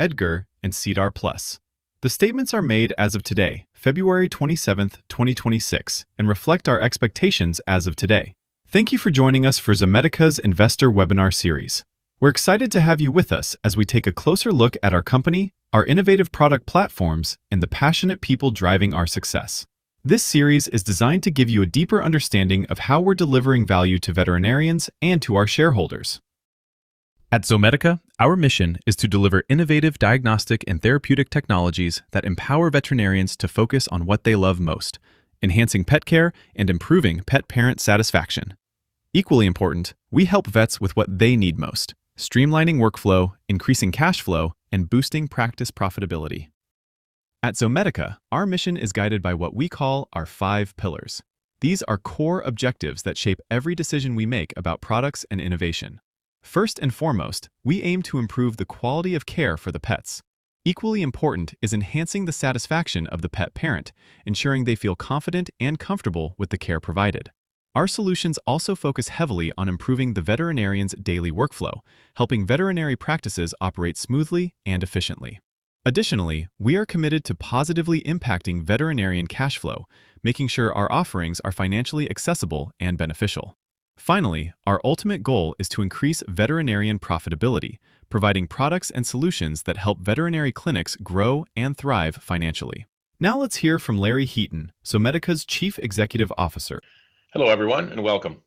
EDGAR, SEDAR+. The statements are made as of today 27 February 2026, and reflect our expectations as of today. Thank you for joining us for Zomedica's Investor Webinar Series. We're excited to have you with us as we take a closer look at our company, our innovative product platforms, and the passionate people driving our success. This series is designed to give you a deeper understanding of how we're delivering value to veterinarians and to our shareholders. At Zomedica, our mission is to deliver innovative diagnostic and therapeutic technologies that empower veterinarians to focus on what they love most, enhancing pet care and improving pet parent satisfaction. Equally important, we help vets with what they need most, streamlining workflow, increasing cash flow, and boosting practice profitability. At Zomedica, our mission is guided by what we call our five pillars. These are core objectives that shape every decision we make about products and innovation. First and foremost, we aim to improve the quality of care for the pets. Equally important is enhancing the satisfaction of the pet parent, ensuring they feel confident and comfortable with the care provided. Our solutions also focus heavily on improving the veterinarian's daily workflow, helping veterinary practices operate smoothly and efficiently. Additionally, we are committed to positively impacting veterinarian cash flow, making sure our offerings are financially accessible and beneficial. Finally, our ultimate goal is to increase veterinarian profitability, providing products and solutions that help veterinary clinics grow and thrive financially. Let's hear from Larry Heaton, Zomedica's Chief Executive Officer. Hello, everyone, and welcome.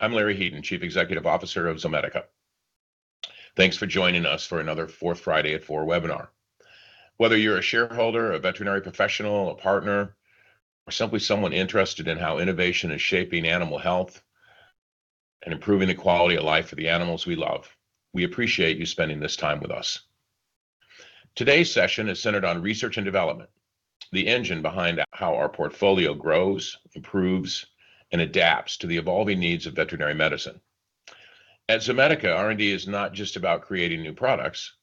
I'm Larry Heaton, Chief Executive Officer of Zomedica. Thanks for joining us for another Fourth Friday at Four webinar. Whether you're a shareholder, a veterinary professional, a partner, or simply someone interested in how innovation is shaping animal health and improving the quality of life of the animals we love, we appreciate you spending this time with us. Today's session is centered on research and development, the engine behind how our portfolio grows, improves, and adapts to the evolving needs of veterinary medicine. At Zomedica, R&D is not just about creating new products.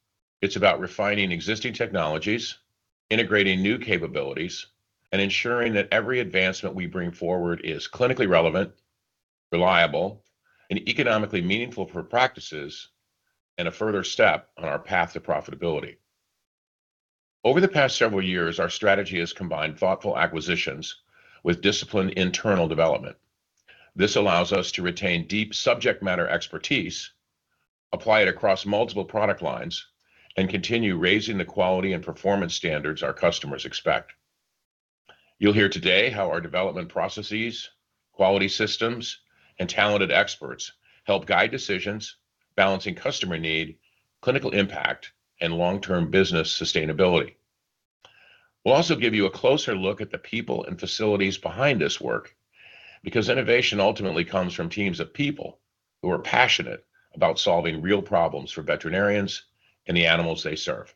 It's about refining existing technologies, integrating new capabilities, and ensuring that every advancement we bring forward is clinically relevant, reliable, and economically meaningful for practices and a further step on our path to profitability. Over the past several years, our strategy has combined thoughtful acquisitions with disciplined internal development. This allows us to retain deep subject matter expertise, apply it across multiple product lines, and continue raising the quality and performance standards our customers expect. You'll hear today how our development processes, quality systems, and talented experts help guide decisions balancing customer need, clinical impact, and long-term business sustainability. We'll also give you a closer look at the people and facilities behind this work because innovation ultimately comes from teams of people who are passionate about solving real problems for veterinarians and the animals they serve.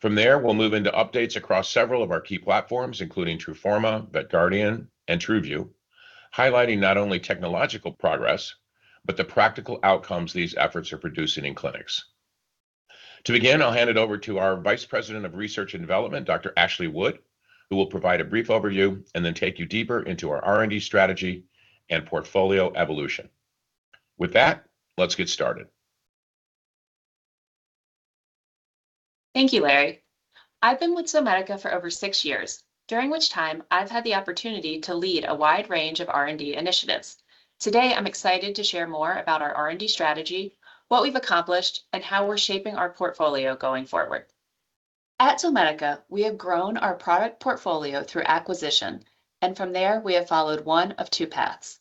From there, we'll move into updates across several of our key platforms, including TRUFORMA, VetGuardian, and TRUVIEW, highlighting not only technological progress, but the practical outcomes these efforts are producing in clinics. To begin, I'll hand it over to our Vice President of Research and Development, Dr. Ashley Wood, who will provide a brief overview and then take you deeper into our R&D strategy and portfolio evolution. With that, let's get started. Thank you, Larry. I've been with Zomedica for over six years, during which time I've had the opportunity to lead a wide range of R&D initiatives. Today, I'm excited to share more about our R&D strategy, what we've accomplished, and how we're shaping our portfolio going forward. At Zomedica, we have grown our product portfolio through acquisition, and from there we have followed one of two paths.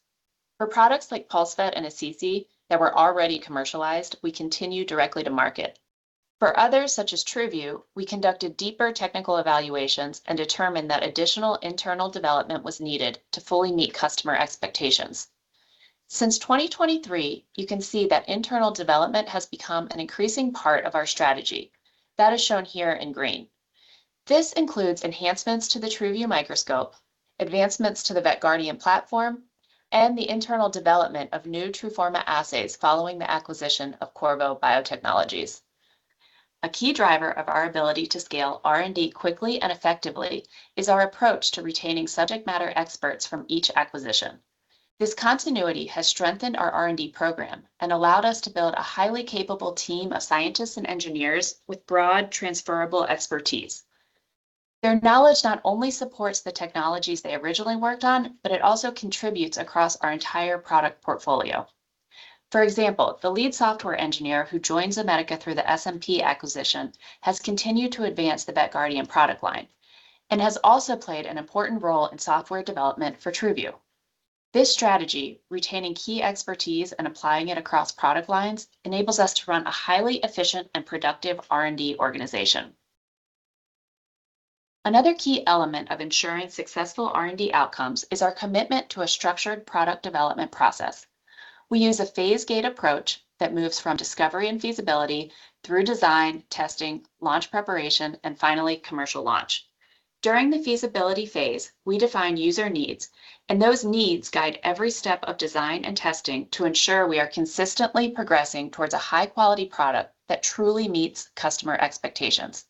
For products like PulseVet and Assisi that were already commercialized, we continue directly to market. For others, such as TRUVIEW, we conducted deeper technical evaluations and determined that additional internal development was needed to fully meet customer expectations. Since 2023, you can see that internal development has become an increasing part of our strategy. That is shown here in green. This includes enhancements to the TRUVIEW microscope, advancements to the VetGuardian platform, and the internal development of new TRUFORMA assays following the acquisition of Qorvo Biotechnologies. A key driver of our ability to scale R&D quickly and effectively is our approach to retaining subject matter experts from each acquisition. This continuity has strengthened our R&D program and allowed us to build a highly capable team of scientists and engineers with broad transferable expertise. Their knowledge not only supports the technologies they originally worked on, but it also contributes across our entire product portfolio. For example, the lead software engineer who joined Zomedica through the SMP acquisition has continued to advance the VetGuardian product line and has also played an important role in software development for TRUVIEW. This strategy, retaining key expertise and applying it across product lines, enables us to run a highly efficient and productive R&D organization. Another key element of ensuring successful R&D outcomes is our commitment to a structured product development process. We use a phase-gate approach that moves from discovery and feasibility through design, testing, launch preparation, and finally commercial launch. During the feasibility phase, we define user needs, and those needs guide every step of design and testing to ensure we are consistently progressing towards a high-quality product that truly meets customer expectations.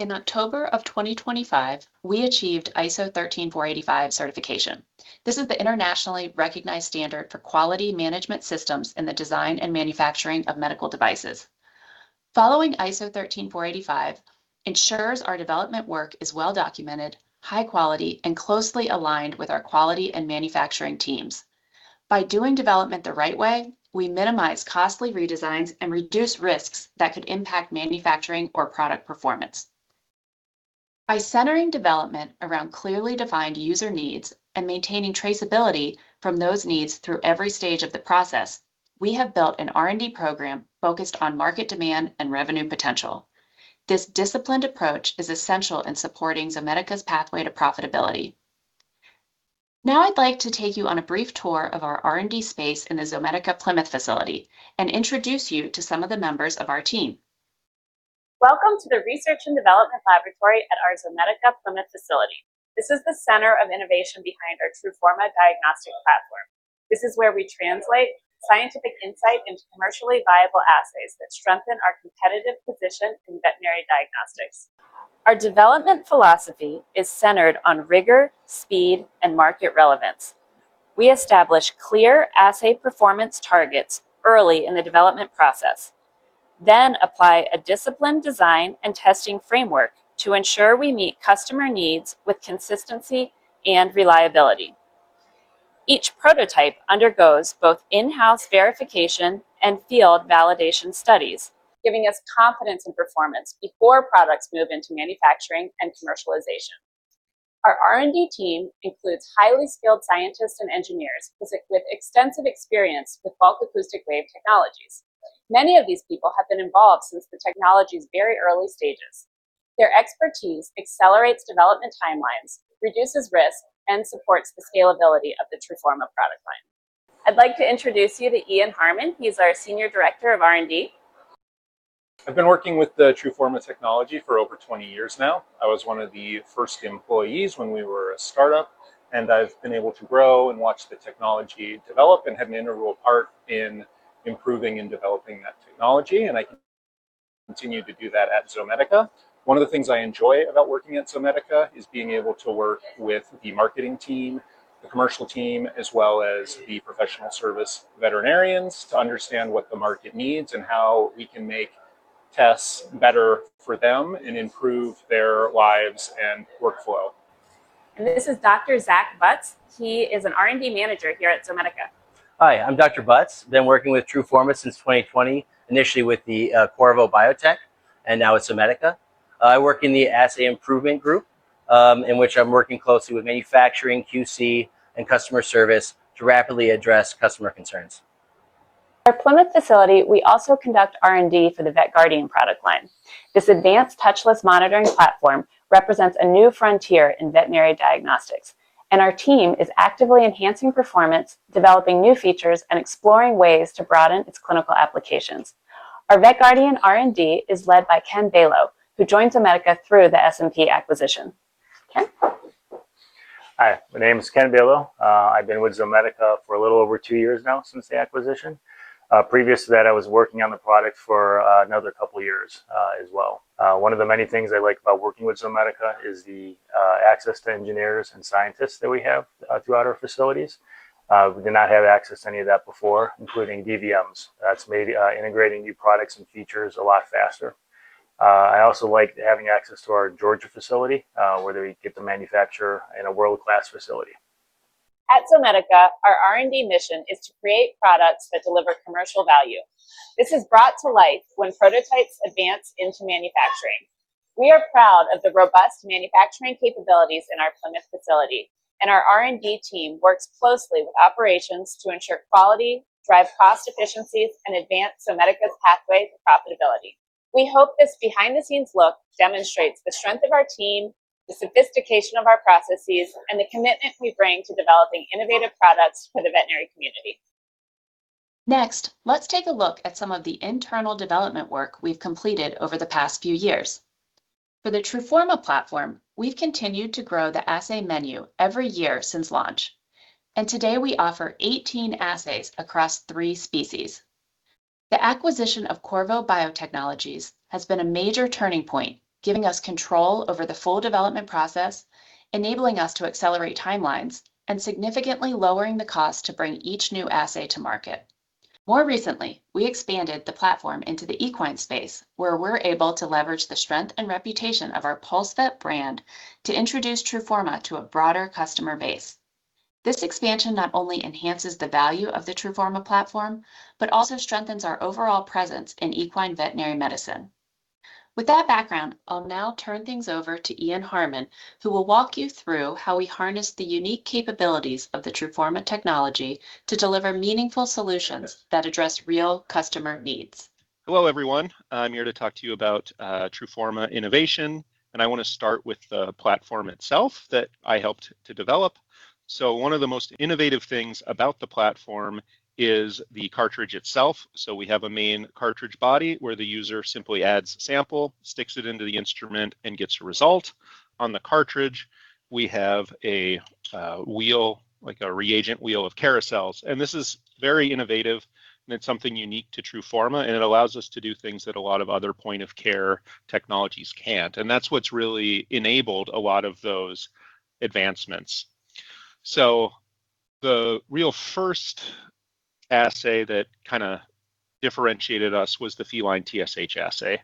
In October 2025, we achieved ISO 13485 certification. This is the internationally recognized standard for quality management systems in the design and manufacturing of medical devices. Following ISO 13485 ensures our development work is well documented, high quality, and closely aligned with our quality and manufacturing teams. By doing development the right way, we minimize costly redesigns and reduce risks that could impact manufacturing or product performance. By centering development around clearly defined user needs and maintaining traceability from those needs through every stage of the process, we have built an R&D program focused on market demand and revenue potential. This disciplined approach is essential in supporting Zomedica's pathway to profitability. Now I'd like to take you on a brief tour of our R&D space in the Zomedica Plymouth facility and introduce you to some of the members of our team. Welcome to the research and development laboratory at our Zomedica Plymouth facility. This is the center of innovation behind our TRUFORMA diagnostic platform. This is where we translate scientific insight into commercially viable assays that strengthen our competitive position in veterinary diagnostics. Our development philosophy is centered on rigor, speed, and market relevance. We establish clear assay performance targets early in the development process, then apply a disciplined design and testing framework to ensure we meet customer needs with consistency and reliability. Each prototype undergoes both in-house verification and field validation studies, giving us confidence in performance before products move into manufacturing and commercialization. Our R&D team includes highly skilled scientists and engineers with extensive experience with Bulk Acoustic Wave technology. Many of these people have been involved since the technology's very early stages. Their expertise accelerates development timelines, reduces risk, and supports the scalability of the TRUFORMA product line. I'd like to introduce you to Ian Harmon. He's our Senior Director of R&D. I've been working with the TRUFORMA technology for over 20 years now. I was one of the first employees when we were a startup, and I've been able to grow and watch the technology develop and have an integral part in improving and developing that technology, and I can continue to do that at Zomedica. One of the things I enjoy about working at Zomedica is being able to work with the marketing team, the commercial team, as well as the professional service veterinarians to understand what the market needs and how we can make tests better for them and improve their lives and workflow. This is Dr. Zach Butz. He is an R&D manager here at Zomedica. Hi, I'm Dr. Butz. Been working with TRUFORMA since 2020, initially with the Qorvo Biotechnologies and now with Zomedica. I work in the assay improvement group, in which I'm working closely with manufacturing, QC, and customer service to rapidly address customer concerns. At our Plymouth facility, we also conduct R&D for the VetGuardian product line. This advanced touchless monitoring platform represents a new frontier in veterinary diagnostics, and our team is actively enhancing performance, developing new features, and exploring ways to broaden its clinical applications. Our VetGuardian R&D is led by Ken Balow, who joined Zomedica through the SMP acquisition. Ken? Hi, my name is Ken Balow. I've been with Zomedica for a little over two years now since the acquisition. Previous to that, I was working on the product for another couple of years, as well. One of the many things I like about working with Zomedica is the access to engineers and scientists that we have throughout our facilities. We did not have access to any of that before, including DVMs. That's made integrating new products and features a lot faster. I also like having access to our Georgia facility, where we get to manufacture in a world-class facility. At Zomedica, our R&D mission is to create products that deliver commercial value. This is brought to life when prototypes advance into manufacturing. We are proud of the robust manufacturing capabilities in our Plymouth facility, and our R&D team works closely with operations to ensure quality, drive cost efficiencies, and advance Zomedica's pathway to profitability. We hope this behind-the-scenes look demonstrates the strength of our team, the sophistication of our processes, and the commitment we bring to developing innovative products for the veterinary community. Next, let's take a look at some of the internal development work we've completed over the past few years. For the TRUFORMA platform, we've continued to grow the assay menu every year since launch, and today we offer 18 assays across three species. The acquisition of Qorvo Biotechnologies has been a major turning point, giving us control over the full development process, enabling us to accelerate timelines, and significantly lowering the cost to bring each new assay to market. More recently, we expanded the platform into the equine space, where we're able to leverage the strength and reputation of our PulseVet brand to introduce TRUFORMA to a broader customer base. This expansion not only enhances the value of the TRUFORMA platform but also strengthens our overall presence in equine veterinary medicine. With that background, I'll now turn things over to Ian Harmon, who will walk you through how we harness the unique capabilities of the TRUFORMA technology to deliver meaningful solutions that address real customer needs. Hello, everyone. I'm here to talk to you about TRUFORMA innovation, and I wanna start with the platform itself that I helped to develop. One of the most innovative things about the platform is the cartridge itself. We have a main cartridge body where the user simply adds sample, sticks it into the instrument, and gets a result. On the cartridge, we have a wheel, like a reagent wheel of carousels, and this is very innovative, and it's something unique to TRUFORMA, and it allows us to do things that a lot of other point-of-care technologies can't. That's what's really enabled a lot of those advancements. The real first assay that kinda differentiated us was the Feline TSH assay.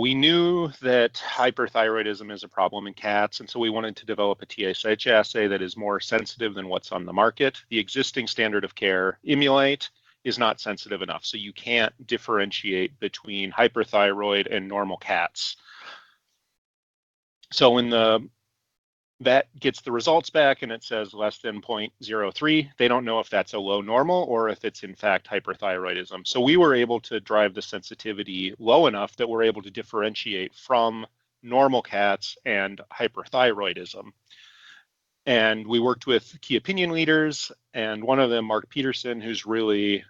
We knew that hyperthyroidism is a problem in cats, and so we wanted to develop a TSH assay that is more sensitive than what's on the market. The existing standard of care, IMMULITE, is not sensitive enough, so you can't differentiate between hyperthyroid and normal cats. When the vet gets the results back and it says less than 0.03, they don't know if that's a low normal or if it's in fact hyperthyroidism. We were able to drive the sensitivity low enough that we're able to differentiate from normal cats and hyperthyroidism. We worked with key opinion leaders, and one of them, Mark Peterson, who's really,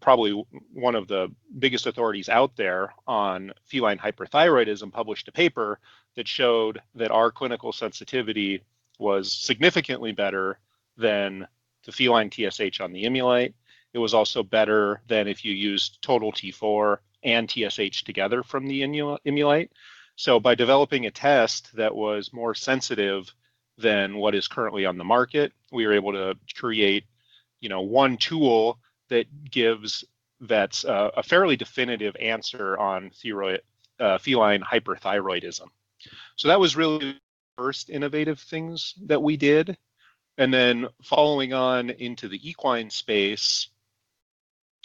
probably one of the biggest authorities out there on feline hyperthyroidism, published a paper that showed that our clinical sensitivity was significantly better than the Feline TSH on the IMMULITE. It was also better than if you used Total T4 and TSH together from the IMMULITE. By developing a test that was more sensitive than what is currently on the market, we were able to create, you know, a tool that gives vets a fairly definitive answer on thyroid, feline hyperthyroidism. That was really the first innovative things that we did, and then following on into the equine space,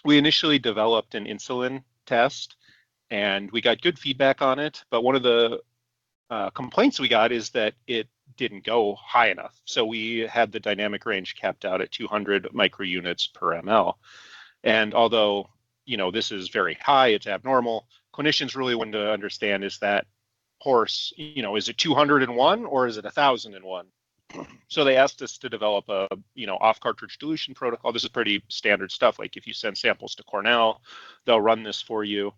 we initially developed an insulin test, and we got good feedback on it. One of the complaints we got is that it didn't go high enough. We had the dynamic range capped out at 200 microunits per ml. Although, you know, this is very high, it's abnormal, clinicians really want to understand is that horse, you know, is it 201, or is it 1,001? They asked us to develop a, you know, off-cartridge dilution protocol. This is pretty standard stuff. Like, if you send samples to Cornell, they'll run this for you.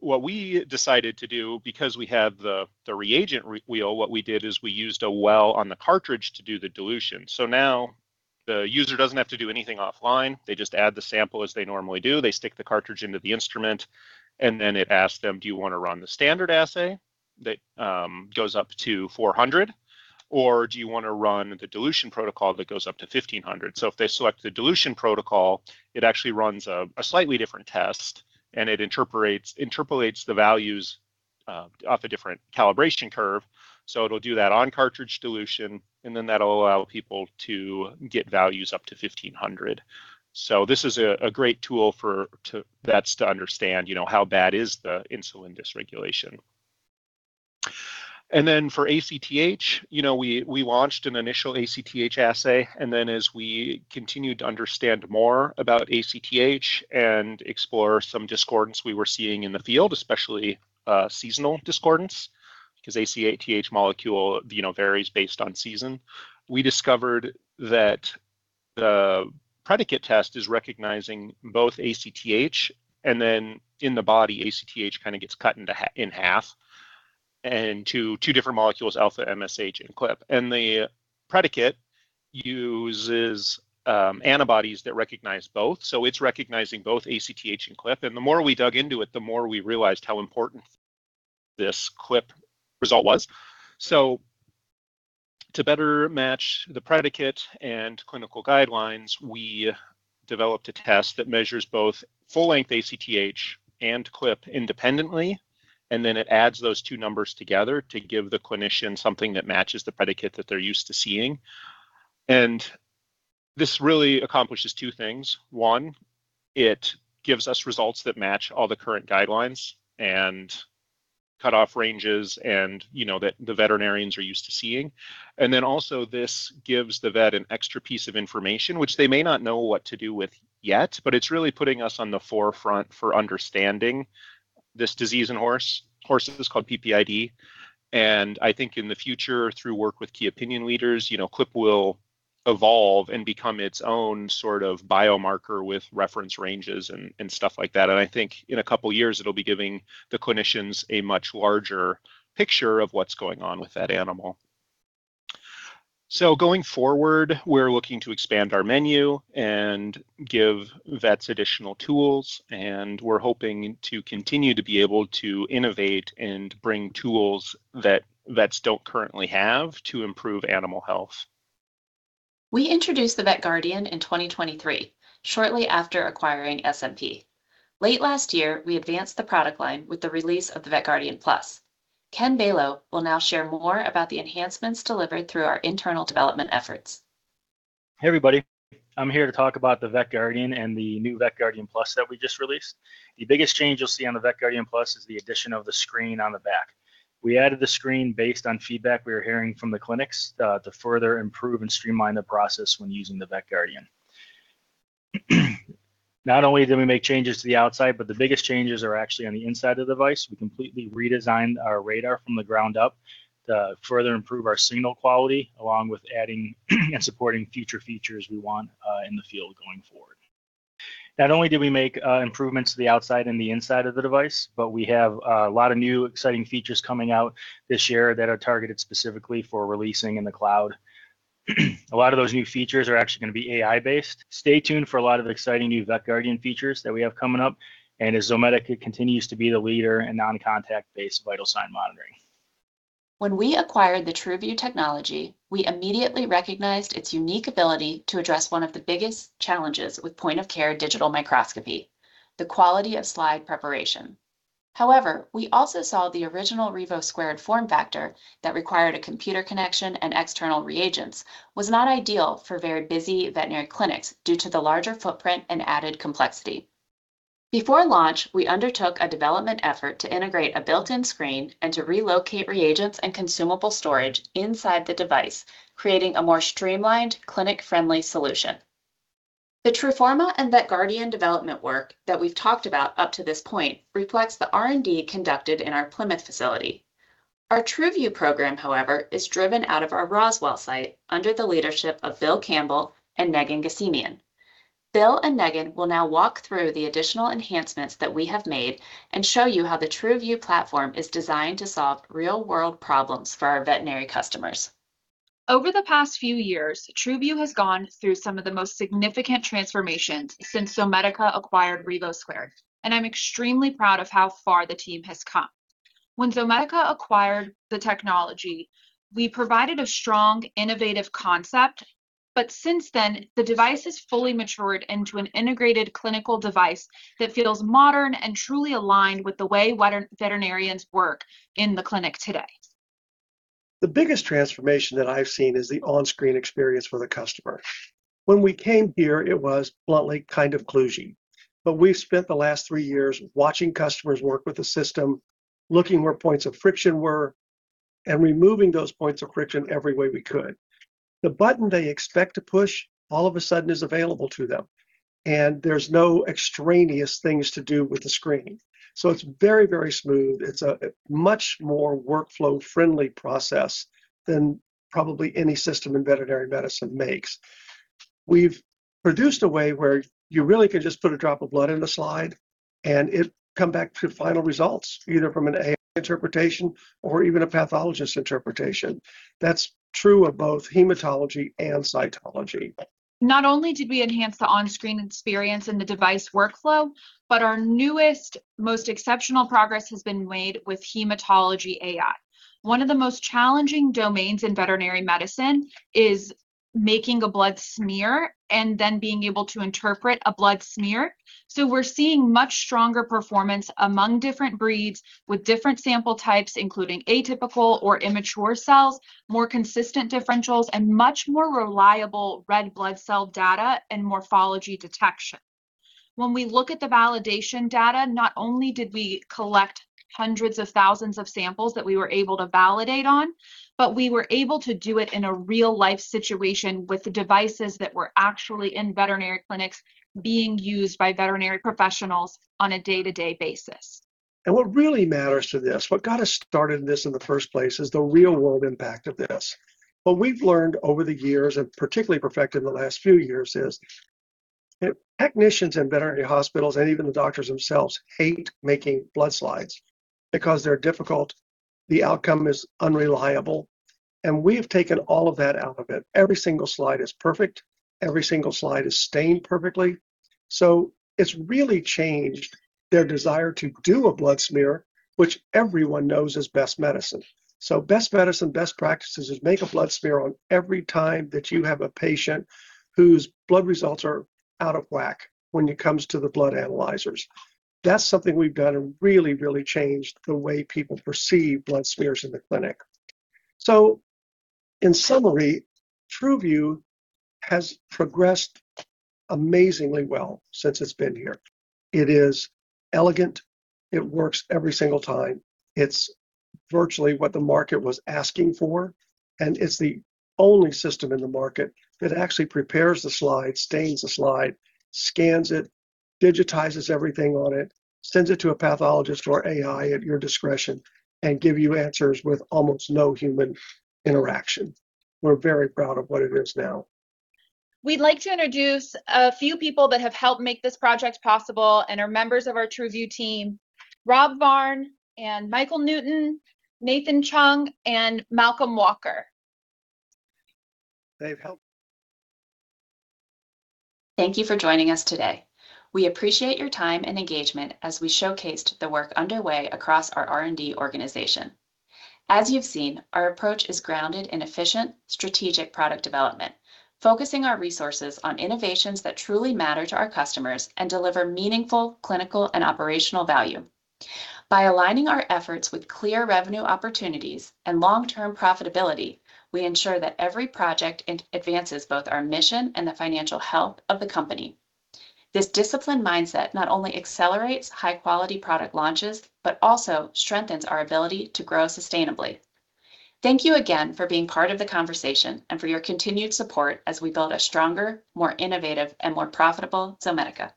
What we decided to do, because we have the reagent reagent wheel, what we did is we used a well on the cartridge to do the dilution. Now the user doesn't have to do anything offline. They just add the sample as they normally do. They stick the cartridge into the instrument. Then it asks them, "Do you wanna run the standard assay that goes up to 400, or do you wanna run the dilution protocol that goes up to 1,500?" If they select the dilution protocol, it actually runs a slightly different test, and it interpolates the values off a different calibration curve. It'll do that on-cartridge dilution, and then that'll allow people to get values up to 1,500. This is a great tool for to vets to understand, you know, how bad is the insulin dysregulation. For ACTH, you know, we launched an initial ACTH assay, and then as we continued to understand more about ACTH and explore some discordance we were seeing in the field, especially seasonal discordance, 'cause ACTH molecule, you know, varies based on season, we discovered that the predicate test is recognizing both ACTH and then in the body, ACTH kinda gets cut in half and to two different molecules, alpha-MSH and CLIP. The predicate uses antibodies that recognize both, so it's recognizing both ACTH and CLIP. The more we dug into it, the more we realized how important this CLIP result was. To better match the predicate and clinical guidelines, we developed a test that measures both full-length ACTH and CLIP independently, and then it adds those 2 numbers together to give the clinician something that matches the predicate that they're used to seeing. This really accomplishes two things. One, it gives us results that match all the current guidelines and cutoff ranges, you know, that the veterinarians are used to seeing. Also this gives the vet an extra piece of information which they may not know what to do with yet, but it's really putting us on the forefront for understanding this disease in horses called PPID. I think in the future through work with key opinion leaders, you know, CLIP will evolve and become its own sort of biomarker with reference ranges and stuff like that. I think in a couple years it'll be giving the clinicians a much larger picture of what's going on with that animal. Going forward, we're looking to expand our menu and give vets additional tools, and we're hoping to continue to be able to innovate and bring tools that vets don't currently have to improve animal health. We introduced the VetGuardian in 2023, shortly after acquiring SMP. Late last year, we advanced the product line with the release of the VETGuardian PLUS. Ken Balow will now share more about the enhancements delivered through our internal development efforts. Hey, everybody. I'm here to talk about the VetGuardian and the new VETGuardian PLUS that we just released. The biggest change you'll see on the VETGuardian PLUS is the addition of the screen on the back. We added the screen based on feedback we were hearing from the clinics, to further improve and streamline the process when using the VetGuardian. Not only did we make changes to the outside, the biggest changes are actually on the inside of the device. We completely redesigned our radar from the ground up to further improve our signal quality, along with adding and supporting future features we want in the field going forward. Not only did we make improvements to the outside and the inside of the device, we have a lot of new exciting features coming out this year that are targeted specifically for releasing in the cloud. A lot of those new features are actually gonna be AI-based. Stay tuned for a lot of exciting new VetGuardian features that we have coming up. As Zomedica continues to be the leader in non-contact-based vital sign monitoring. When we acquired the TRUVIEW technology, we immediately recognized its unique ability to address one of the biggest challenges with point-of-care digital microscopy, the quality of slide preparation. We also saw the original REVO² form factor that required a computer connection and external reagents was not ideal for very busy veterinary clinics due to the larger footprint and added complexity. Before launch, we undertook a development effort to integrate a built-in screen and to relocate reagents and consumable storage inside the device, creating a more streamlined, clinic-friendly solution. The TRUFORMA and VetGuardian development work that we've talked about up to this point reflects the R&D conducted in our Plymouth facility. Our TRUVIEW program, however, is driven out of our Roswell site under the leadership of Bill Campbell and Negin Ghassemian. Bill and Negin will now walk through the additional enhancements that we have made and show you how the TRUVIEW platform is designed to solve real-world problems for our veterinary customers. Over the past few years, TRUVIEW has gone through some of the most significant transformations since Zomedica acquired Revo Squared. I'm extremely proud of how far the team has come. When Zomedica acquired the technology, we provided a strong, innovative concept. Since then, the device has fully matured into an integrated clinical device that feels modern and truly aligned with the way veterinarians work in the clinic today. The biggest transformation that I've seen is the on-screen experience for the customer. When we came here, it was bluntly kind of kludgy. We've spent the last three years watching customers work with the system, looking where points of friction were, and removing those points of friction every way we could. The button they expect to push all of a sudden is available to them, and there's no extraneous things to do with the screen. It's very, very smooth. It's a much more workflow-friendly process than probably any system in veterinary medicine makes. We've produced a way where you really can just put a drop of blood in the slide and it come back to final results, either from an AI interpretation or even a pathologist interpretation. That's true of both hematology and cytology. Not only did we enhance the on-screen experience and the device workflow, but our newest, most exceptional progress has been made with hematology AI. One of the most challenging domains in veterinary medicine is making a blood smear and then being able to interpret a blood smear. We're seeing much stronger performance among different breeds with different sample types, including atypical or immature cells, more consistent differentials, and much more reliable red blood cell data and morphology detection. When we look at the validation data, not only did we collect hundreds of thousands of samples that we were able to validate on, but we were able to do it in a real-life situation with the devices that were actually in veterinary clinics being used by veterinary professionals on a day-to-day basis. What really matters to this, what got us started in this in the first place, is the real-world impact of this. What we've learned over the years, and particularly perfected in the last few years, is that technicians in veterinary hospitals and even the doctors themselves hate making blood slides because they're difficult, the outcome is unreliable, and we've taken all of that out of it. Every single slide is perfect. Every single slide is stained perfectly. It's really changed their desire to do a blood smear, which everyone knows is best medicine. Best medicine, best practices is make a blood smear on every time that you have a patient whose blood results are out of whack when it comes to the blood analyzers. That's something we've done and really changed the way people perceive blood smears in the clinic. In summary, TRUVIEW has progressed amazingly well since it's been here. It is elegant. It works every single time. It's virtually what the market was asking for. It's the only system in the market that actually prepares the slide, stains the slide, scans it, digitizes everything on it, sends it to a pathologist or AI at your discretion, and give you answers with almost no human interaction. We're very proud of what it is now. We'd like to introduce a few people that have helped make this project possible and are members of our TRUVIEW team. Rob Varn and Michael Newton, Nathan Chung, and Malcolm Walker. They've helped. Thank you for joining us today. We appreciate your time and engagement as we showcased the work underway across our R&D organization. As you've seen, our approach is grounded in efficient, strategic product development, focusing our resources on innovations that truly matter to our customers and deliver meaningful clinical and operational value. By aligning our efforts with clear revenue opportunities and long-term profitability, we ensure that every project advances both our mission and the financial health of the company. This disciplined mindset not only accelerates high-quality product launches but also strengthens our ability to grow sustainably. Thank you again for being part of the conversation and for your continued support as we build a stronger, more innovative, and more profitable Zomedica.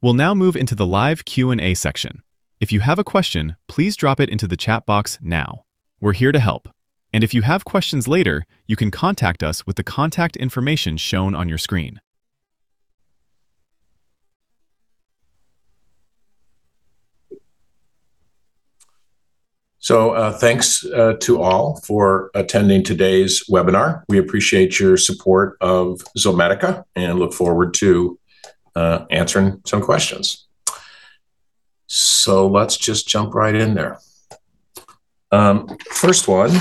We'll now move into the live Q&A section. If you have a question, please drop it into the chat box now. We're here to help. If you have questions later, you can contact us with the contact information shown on your screen. Thanks to all for attending today's webinar. We appreciate your support of Zomedica and look forward to answering some questions. Let's just jump right in there. First one.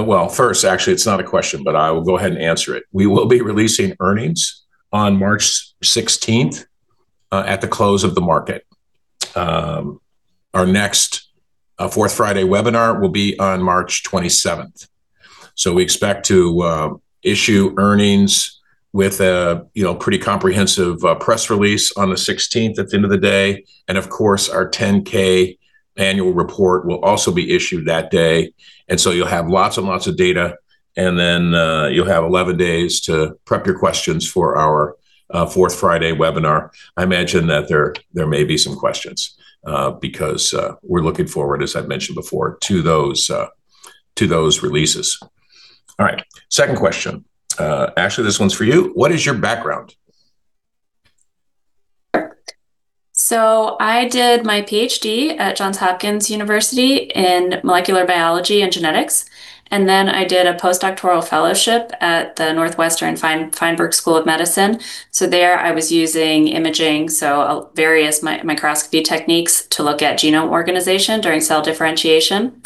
Well, first actually it's not a question, but I will go ahead and answer it. We will be releasing earnings on March 16th at the close of the market. Our next fourth Friday webinar will be on 27 March. We expect to issue earnings with a, you know, pretty comprehensive press release on the 16th at the end of the day. Of course, our 10-K annual report will also be issued that day. You'll have lots and lots of data, and then you'll have 11 days to prep your questions for our fourth Friday webinar. I imagine that there may be some questions, because we're looking forward, as I've mentioned before, to those to those releases. All right, second question. Ashley, this one's for you. What is your background? I did my PhD at Johns Hopkins University in molecular biology and genetics, and then I did a post-doctoral fellowship at the Northwestern Feinberg School of Medicine. There I was using imaging, so various microscopy techniques to look at genome organization during cell differentiation.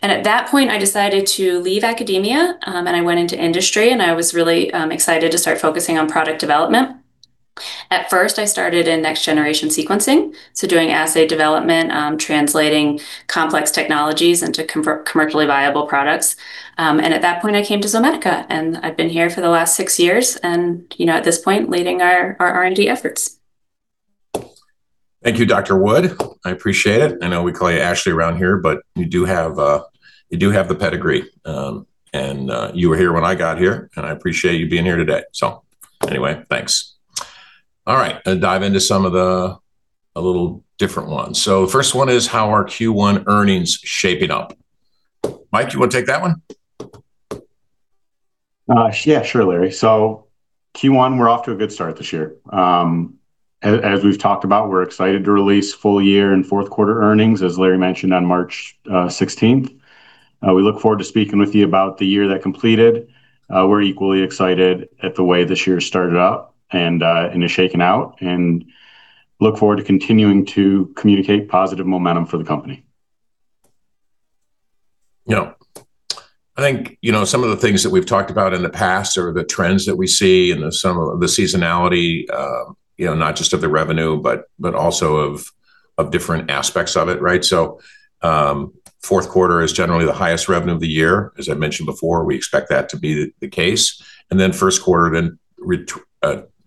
At that point I decided to leave academia, and I went into industry, and I was really excited to start focusing on product development. At first I started in Next-Generation Sequencing, so doing assay development, translating complex technologies into commercially viable products. At that point I came to Zomedica, and I've been here for the last six years and, you know, at this point leading our R&D efforts. Thank you, Dr. Wood. I appreciate it. I know we call you Ashley around here, but you do have, you do have the pedigree. You were here when I got here, and I appreciate you being here today. Anyway, thanks. All right, let's dive into a little different ones. First one is, how are Q1 earnings shaping up? Mike, you wanna take that one? Yeah, sure, Larry. Q1, we're off to a good start this year. As we've talked about, we're excited to release full year and fourth quarter earnings, as Larry mentioned on 16 March. We look forward to speaking with you about the year that completed. We're equally excited at the way this year started out and is shaken out, and look forward to continuing to communicate positive momentum for the company. You know, I think, you know, some of the things that we've talked about in the past or the trends that we see and the seasonality, you know, not just of the revenue, but also of different aspects of it, right? Fourth quarter is generally the highest revenue of the year. As I mentioned before, we expect that to be the case. First quarter then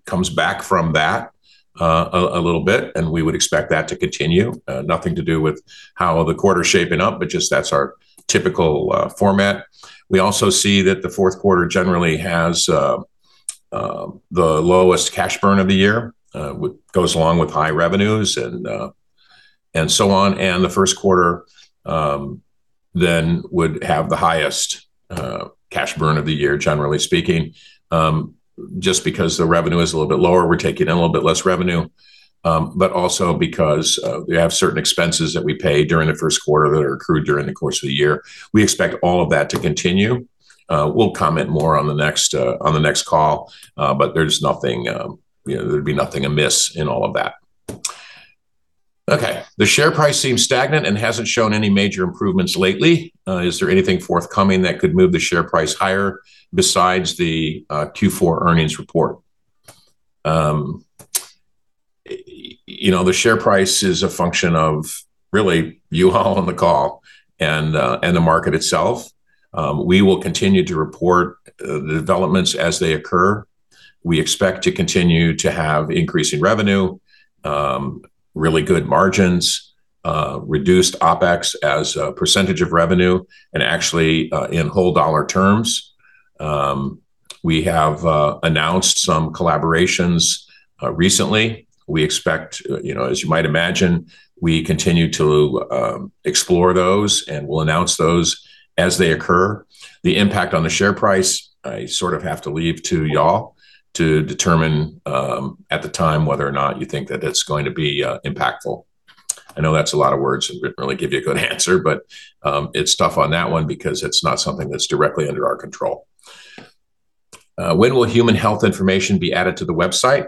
comes back from that a little bit, and we would expect that to continue. Nothing to do with how the quarter's shaping up, but just that's our typical format. We also see that the fourth quarter generally has the lowest cash burn of the year, which goes along with high revenues and so on. The first quarter then would have the highest cash burn of the year, generally speaking. Just because the revenue is a little bit lower, we're taking in a little bit less revenue, but also because we have certain expenses that we pay during the first quarter that are accrued during the course of the year. We expect all of that to continue. We'll comment more on the next on the next call, but there's nothing, you know, there'd be nothing amiss in all of that. Okay. The share price seems stagnant and hasn't shown any major improvements lately. Is there anything forthcoming that could move the share price higher besides the Q4 earnings report? You know, the share price is a function of really you all on the call and the market itself. We will continue to report the developments as they occur. We expect to continue to have increasing revenue, really good margins, reduced OpEx as a percentage of revenue and actually, in whole dollar terms. We have announced some collaborations recently. We expect, you know, as you might imagine, we continue to explore those, and we'll announce those as they occur. The impact on the share price, I sort of have to leave to y'all to determine at the time whether or not you think that that's going to be impactful. I know that's a lot of words and didn't really give you a good answer, but it's tough on that one because it's not something that's directly under our control. When will human health information be added to the website?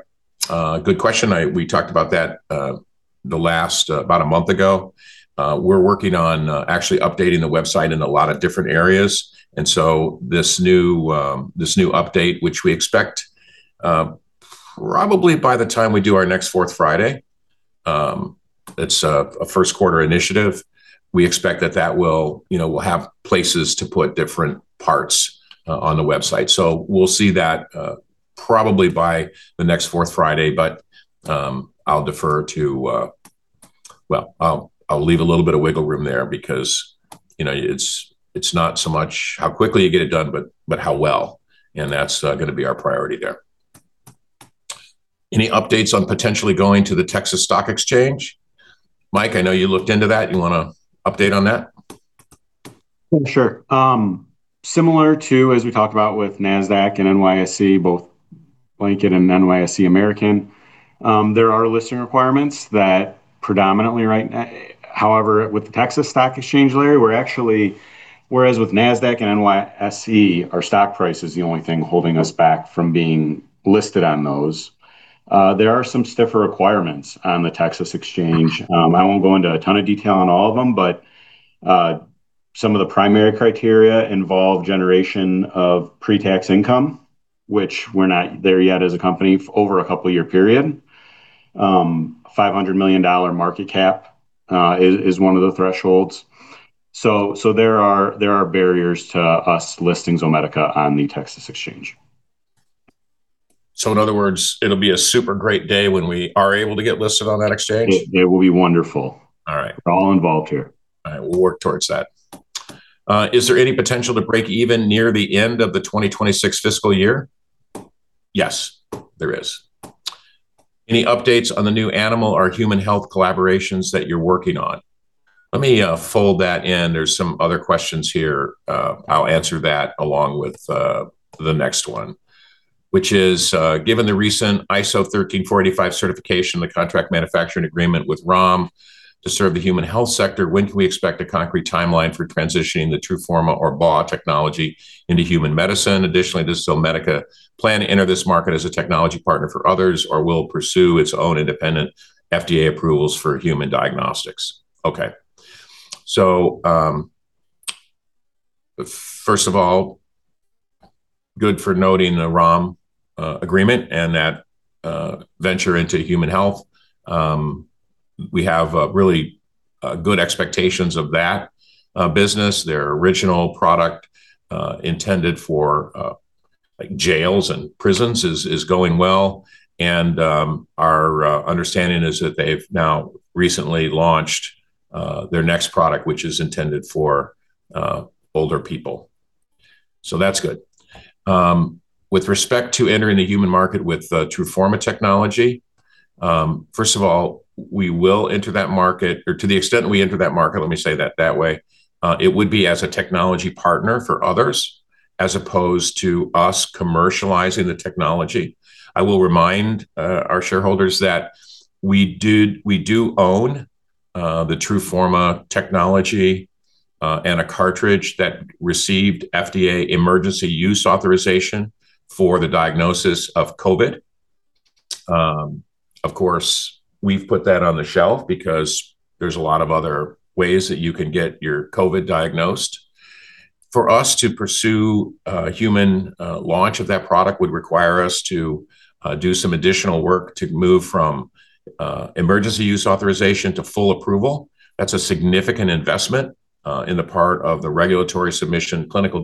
Good question. We talked about that, the last, about a month ago. We're working on actually updating the website in a lot of different areas. This new update, which we expect probably by the time we do our next fourth Friday, it's a first quarter initiative. We expect that that will, you know, will have places to put different parts on the website. We'll see that probably by the next fourth Friday. I'll defer to well, I'll leave a little bit of wiggle room there because, you know, it's not so much how quickly you get it done, but how well, and that's gonna be our priority there. Any updates on potentially going to the Texas Stock Exchange? Mike, I know you looked into that. You wanna update on that? Sure. similar to, as we talked about with Nasdaq and NYSE, both Nasdaq and NYSE American, there are listing requirements that predominantly right now. However, with the Texas Stock Exchange, Larry, we're actually whereas with Nasdaq and NYSE, our stock price is the only thing holding us back from being listed on those. There are some stiffer requirements on the Texas Exchange. I won't go into a ton of detail on all of them, but some of the primary criteria involve generation of pre-tax income, which we're not there yet as a company over a couple year period. $500 million market cap is one of the thresholds. There are barriers to us listing Zomedica on the Texas Exchange. In other words, it'll be a super great day when we are able to get listed on that exchange. It will be wonderful. All right. For all involved here. All right. We'll work towards that. Is there any potential to break even near the end of the 2026 fiscal year? Yes, there is. Any updates on the new animal or human health collaborations that you're working on? Let me fold that in. There's some other questions here. I'll answer that along with the next one, which is given the recent ISO 13485 certification, the contract manufacturing agreement with RAHM to serve the human health sector, when can we expect a concrete timeline for transitioning the TRUFORMA or BAW technology into human medicine? Additionally, does Zomedica plan to enter this market as a technology partner for others, or will pursue its own independent FDA approvals for human diagnostics? Okay. First of all, good for noting the RAHM agreement and that venture into human health. We have really good expectations of that business. Their original product intended for like jails and prisons is going well. Our understanding is that they've now recently launched their next product, which is intended for older people. That's good. With respect to entering the human market with TRUFORMA technology, first of all, we will enter that market, or to the extent we enter that market, let me say that that way, it would be as a technology partner for others as opposed to us commercializing the technology. I will remind our shareholders that we do own the TRUFORMA technology and a cartridge that received FDA emergency use authorization for the diagnosis of COVID. Of course, we've put that on the shelf because there's a lot of other ways that you can get your COVID diagnosed. For us to pursue a human launch of that product would require us to do some additional work to move from emergency use authorization to full approval. That's a significant investment in the part of the regulatory submission, clinical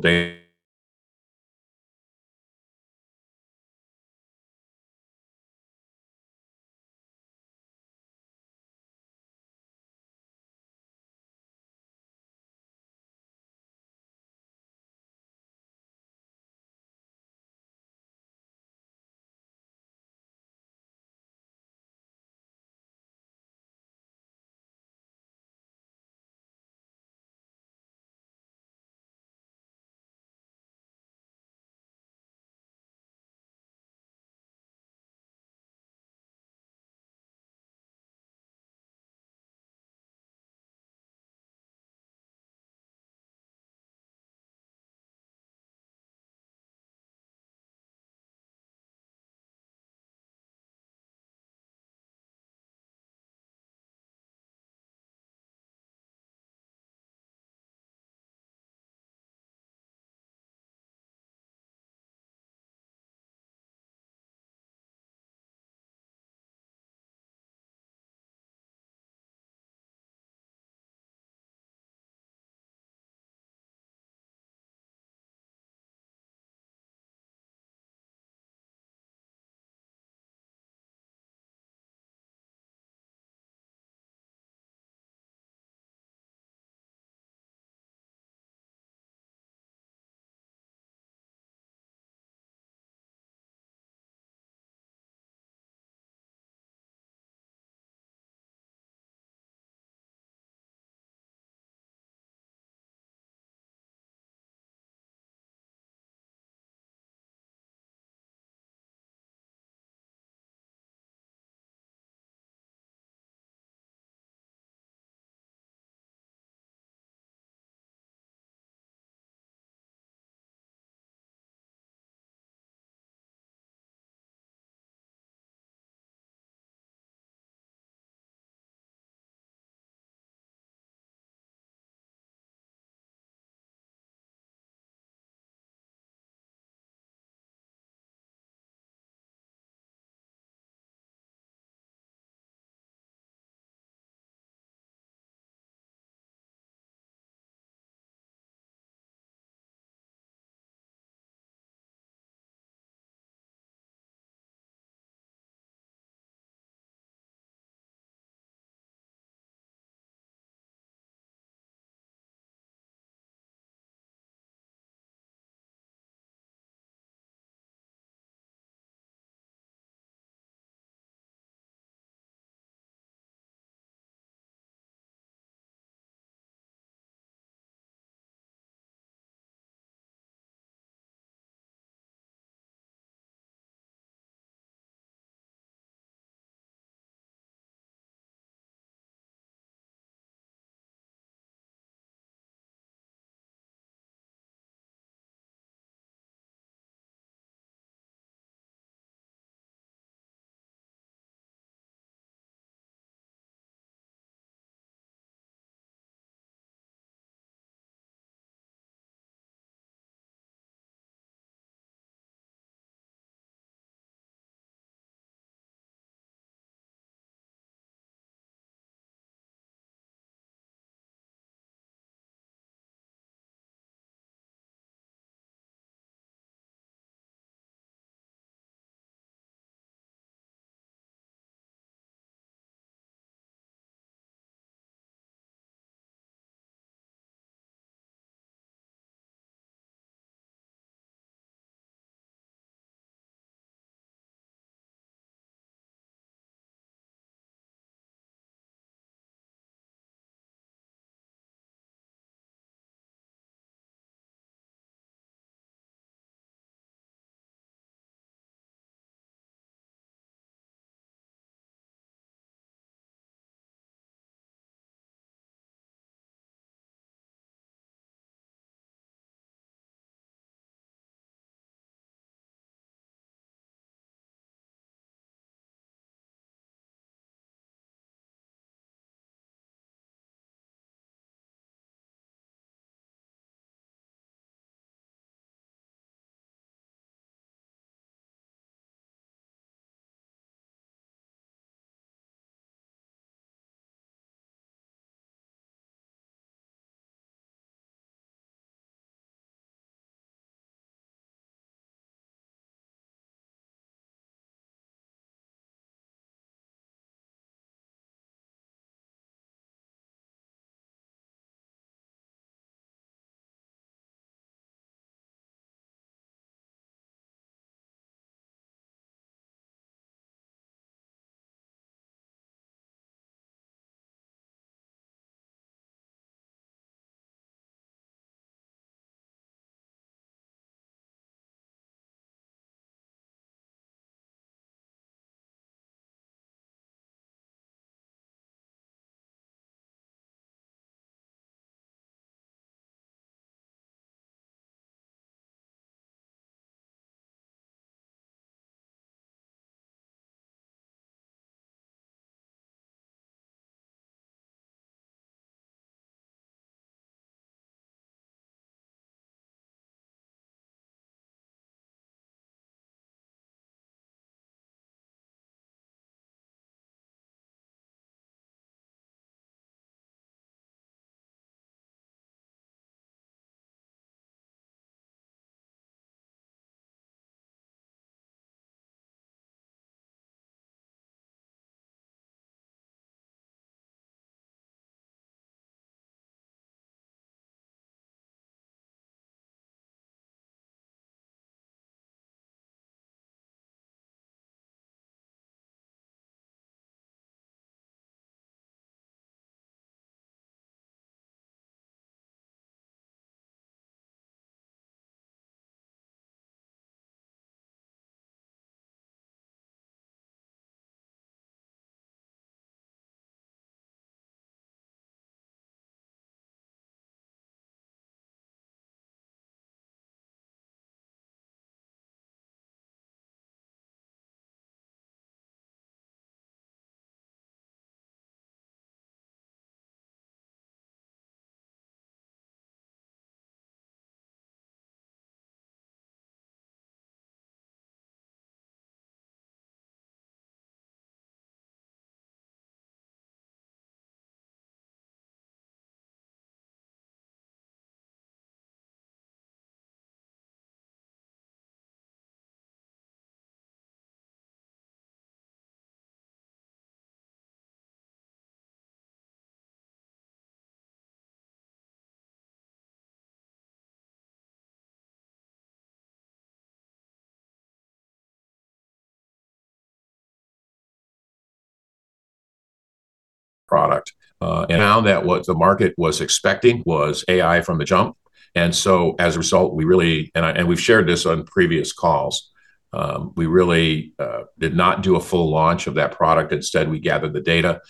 product. Now that what the market was expecting was AI from the jump, as a result, we really, and I, and we've shared this on previous calls. We really did not do a full launch of that product. Instead, we gathered the data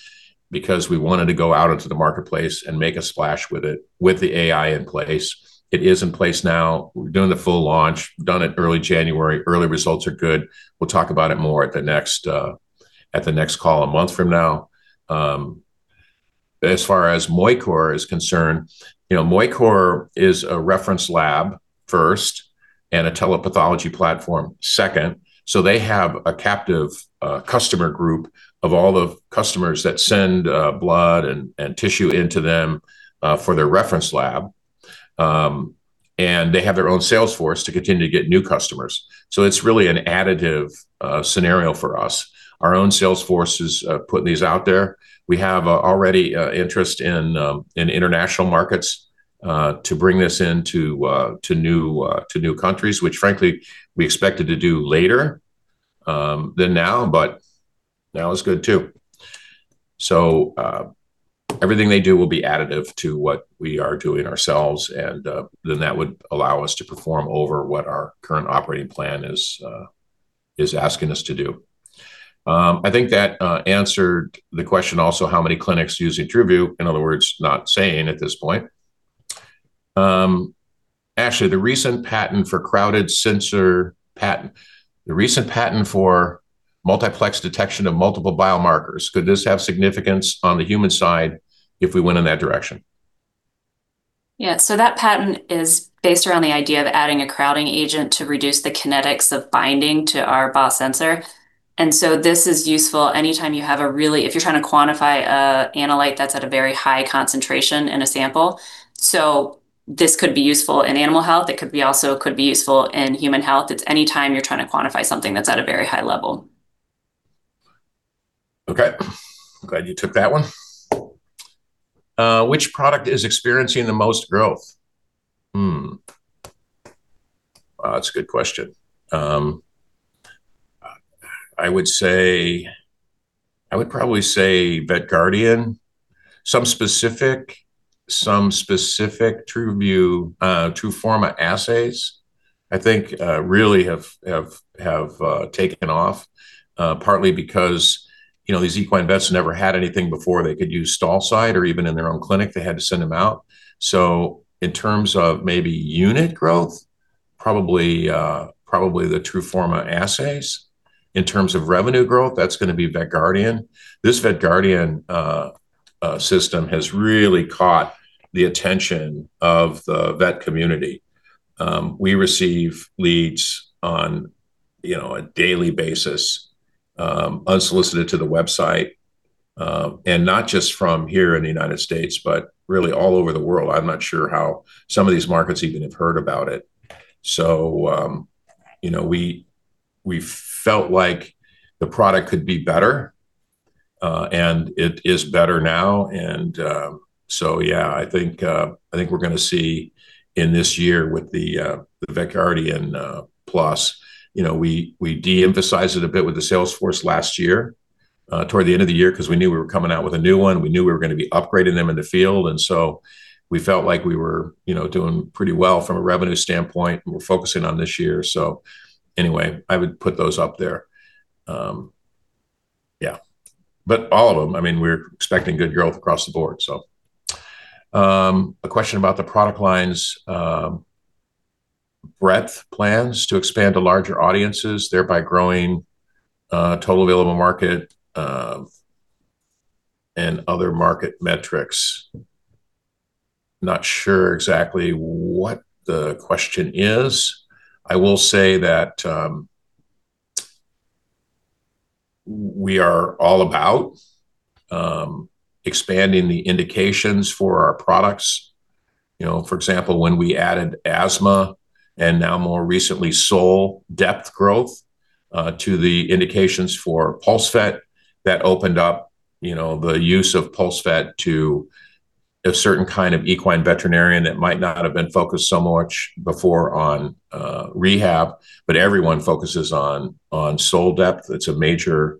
because we wanted to go out into the marketplace and make a splash with it with the AI in place. It is in place now. We're doing the full launch, done it early January. Early results are good. We'll talk about it more at the next at the next call a month from now. As far as Moichor is concerned, you know, Moichor is a reference lab first and a telepathology platform second. They have a captive customer group of all the customers that send blood and tissue into them for their reference lab. And they have their own sales force to continue to get new customers. It's really an additive scenario for us. Our own sales force is putting these out there. We have already interest in international markets. To bring this into new to new countries, which frankly we expected to do later than now, but now is good too. Everything they do will be additive to what we are doing ourselves and then that would allow us to perform over what our current operating plan is asking us to do. I think that answered the question also, how many clinics use TRUVIEW? In other words, not saying at this point. Actually, the recent patent for crowded sensor. The recent patent for multiplex detection of multiple biomarkers, could this have significance on the human side if we went in that direction? That patent is based around the idea of adding a crowding agent to reduce the kinetics of binding to our biosensor. This is useful anytime you have if you're trying to quantify a analyte that's at a very high concentration in a sample. This could be useful in animal health, could be useful in human health. It's any time you're trying to quantify something that's at a very high level. Okay. Glad you took that one. Which product is experiencing the most growth? That's a good question. I would probably say VetGuardian. Some specific TruView, Truforma assays, I think, really have taken off, partly because, you know, these equine vets never had anything before. They could use stall side or even in their own clinic. They had to send them out. In terms of maybe unit growth, probably the Truforma assays. In terms of revenue growth, that's gonna be VetGuardian. This VetGuardian system has really caught the attention of the vet community. We receive leads on, you know, a daily basis, unsolicited to the website. Not just from here in the United States, but really all over the world. I'm not sure how some of these markets even have heard about it. You know, we felt like the product could be better, and it is better now. I think I think we're gonna see in this year with the VETGuardian PLUS. You know, we de-emphasized it a bit with the sales force last year, toward the end of the year 'cause we knew we were coming out with a new one. We knew we were gonna be upgrading them in the field. We felt like we were, you know, doing pretty well from a revenue standpoint, and we're focusing on this year. I would put those up there. All of them, I mean, we're expecting good growth across the board. A question about the product lines, breadth plans to expand to larger audiences, thereby growing total available market and other market metrics. Not sure exactly what the question is. I will say that we are all about expanding the indications for our products. You know, for example, when we added asthma and now more recently sole depth growth to the indications for PulseVet, that opened up, you know, the use of PulseVet to a certain kind of equine veterinarian that might not have been focused so much before on rehab, but everyone focuses on sole depth. It's a major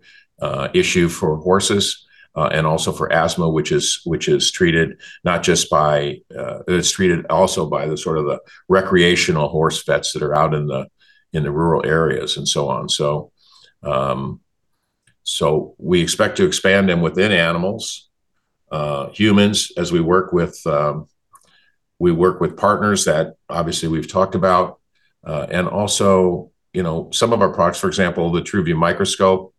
issue for horses and also for asthma, which is treated not just by. It's treated also by the sort of the recreational horse vets that are out in the rural areas, and so on. We expect to expand them within animals. Humans, as we work with, we work with partners that obviously we've talked about. Also, you know, some of our products, for example, the TRUVIEW microscope,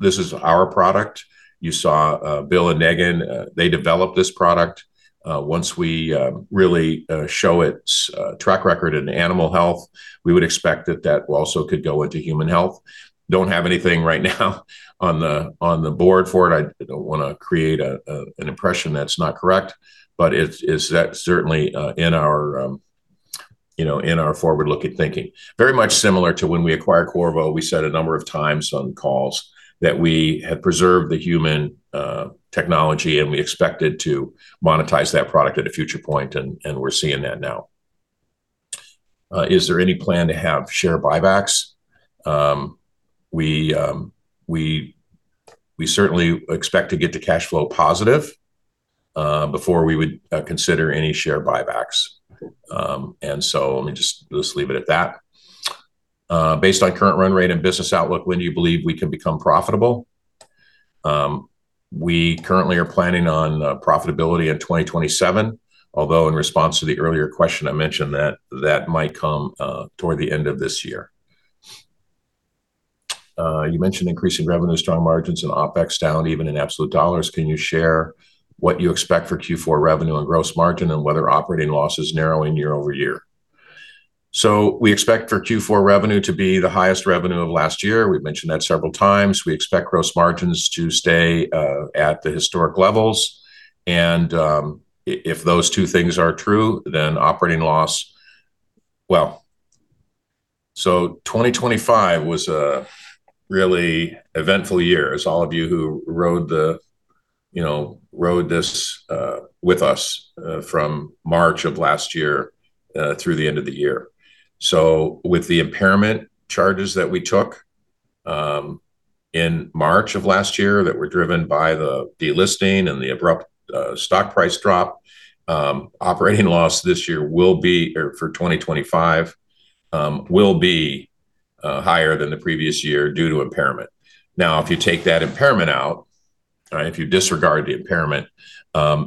this is our product. You saw Bill and Negin, they developed this product. Once we really show its track record in animal health, we would expect that that also could go into human health. Don't have anything right now on the board for it. I don't wanna create an impression that's not correct, but that's certainly in our, you know, in our forward-looking thinking. Very much similar to when we acquired Qorvo. We said a number of times on calls that we had preserved the human technology, and we expected to monetize that product at a future point, and we're seeing that now. Is there any plan to have share buybacks? We certainly expect to get to cash flow positive before we would consider any share buybacks. Let's leave it at that. Based on current run rate and business outlook, when do you believe we can become profitable? We currently are planning on profitability in 2027, although in response to the earlier question, I mentioned that that might come toward the end of this year. You mentioned increasing revenue, strong margins and OpEx down even in absolute dollars. Can you share what you expect for Q4 revenue and gross margin and whether operating loss is narrowing year-over-year? We expect for Q4 revenue to be the highest revenue of last year. We've mentioned that several times. We expect gross margins to stay at the historic levels. If those two things are true, then operating loss, 2025 was a really eventful year, as all of you who rode the, you know, rode this, with us, from March of last year, through the end of the year. With the impairment charges that we took, in March of last year that were driven by the delisting and the abrupt stock price drop, operating loss this year will be, or for 2025, will be higher than the previous year due to impairment. Now, if you take that impairment out, if you disregard the impairment,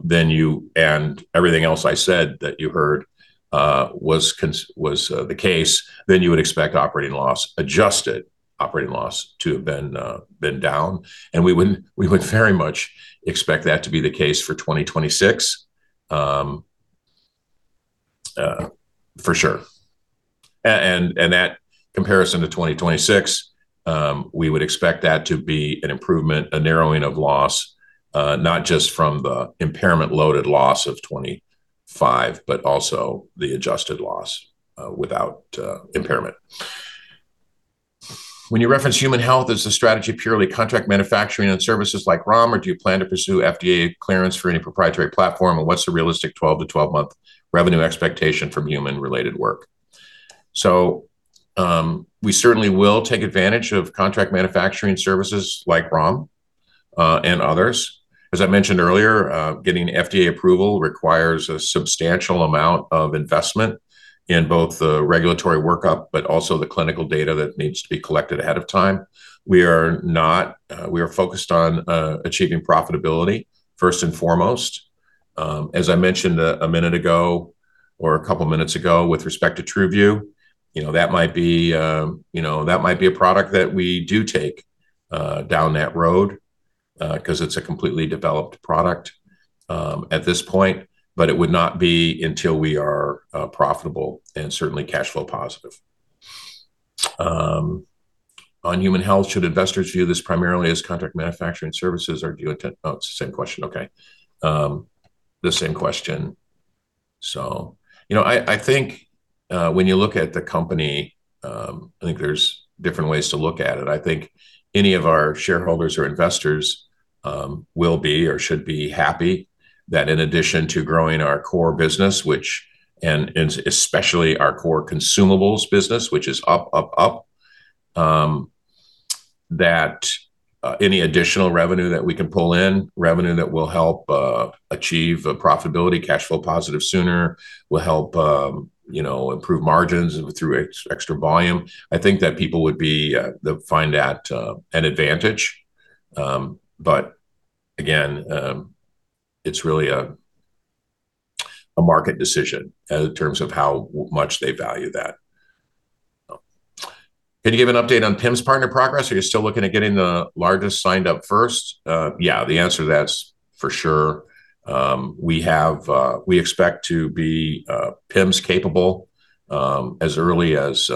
then you and everything else I said that you heard was the case, then you would expect operating loss, adjusted operating loss to have been down. We would very much expect that to be the case for 2026 for sure. That comparison to 2026, we would expect that to be an improvement, a narrowing of loss, not just from the impairment-loaded loss of 25, but also the adjusted loss without impairment. When you reference human health, is the strategy purely contract manufacturing and services like RAHM, or do you plan to pursue FDA clearance for any proprietary platform? What's the realistic 12 to 12-month revenue expectation from human-related work? We certainly will take advantage of contract manufacturing services like RAHM and others. As I mentioned earlier, getting FDA approval requires a substantial amount of investment in both the regulatory workup, but also the clinical data that needs to be collected ahead of time. We are focused on achieving profitability first and foremost. As I mentioned a minute ago or a couple of minutes ago with respect to TRUVIEW, you know, that might be, you know, that might be a product that we do take down that road, 'cause it's a completely developed product at this point, but it would not be until we are profitable and certainly cash flow positive. On human health, should investors view this primarily as contract manufacturing services or it's the same question. Okay. The same question. You know, I think, when you look at the company, I think there's different ways to look at it. I think any of our shareholders or investors will be or should be happy that in addition to growing our core business, which especially our core consumables business, which is up, that any additional revenue that we can pull in, revenue that will help achieve a profitability, cash flow positive sooner, will help, you know, improve margins through extra volume. I think that people would find that an advantage. Again, it's really a market decision in terms of how much they value that. Can you give an update on PIMS partner progress? Are you still looking at getting the largest signed up first? Yeah, the answer to that's for sure. We expect to be PIMS capable as early as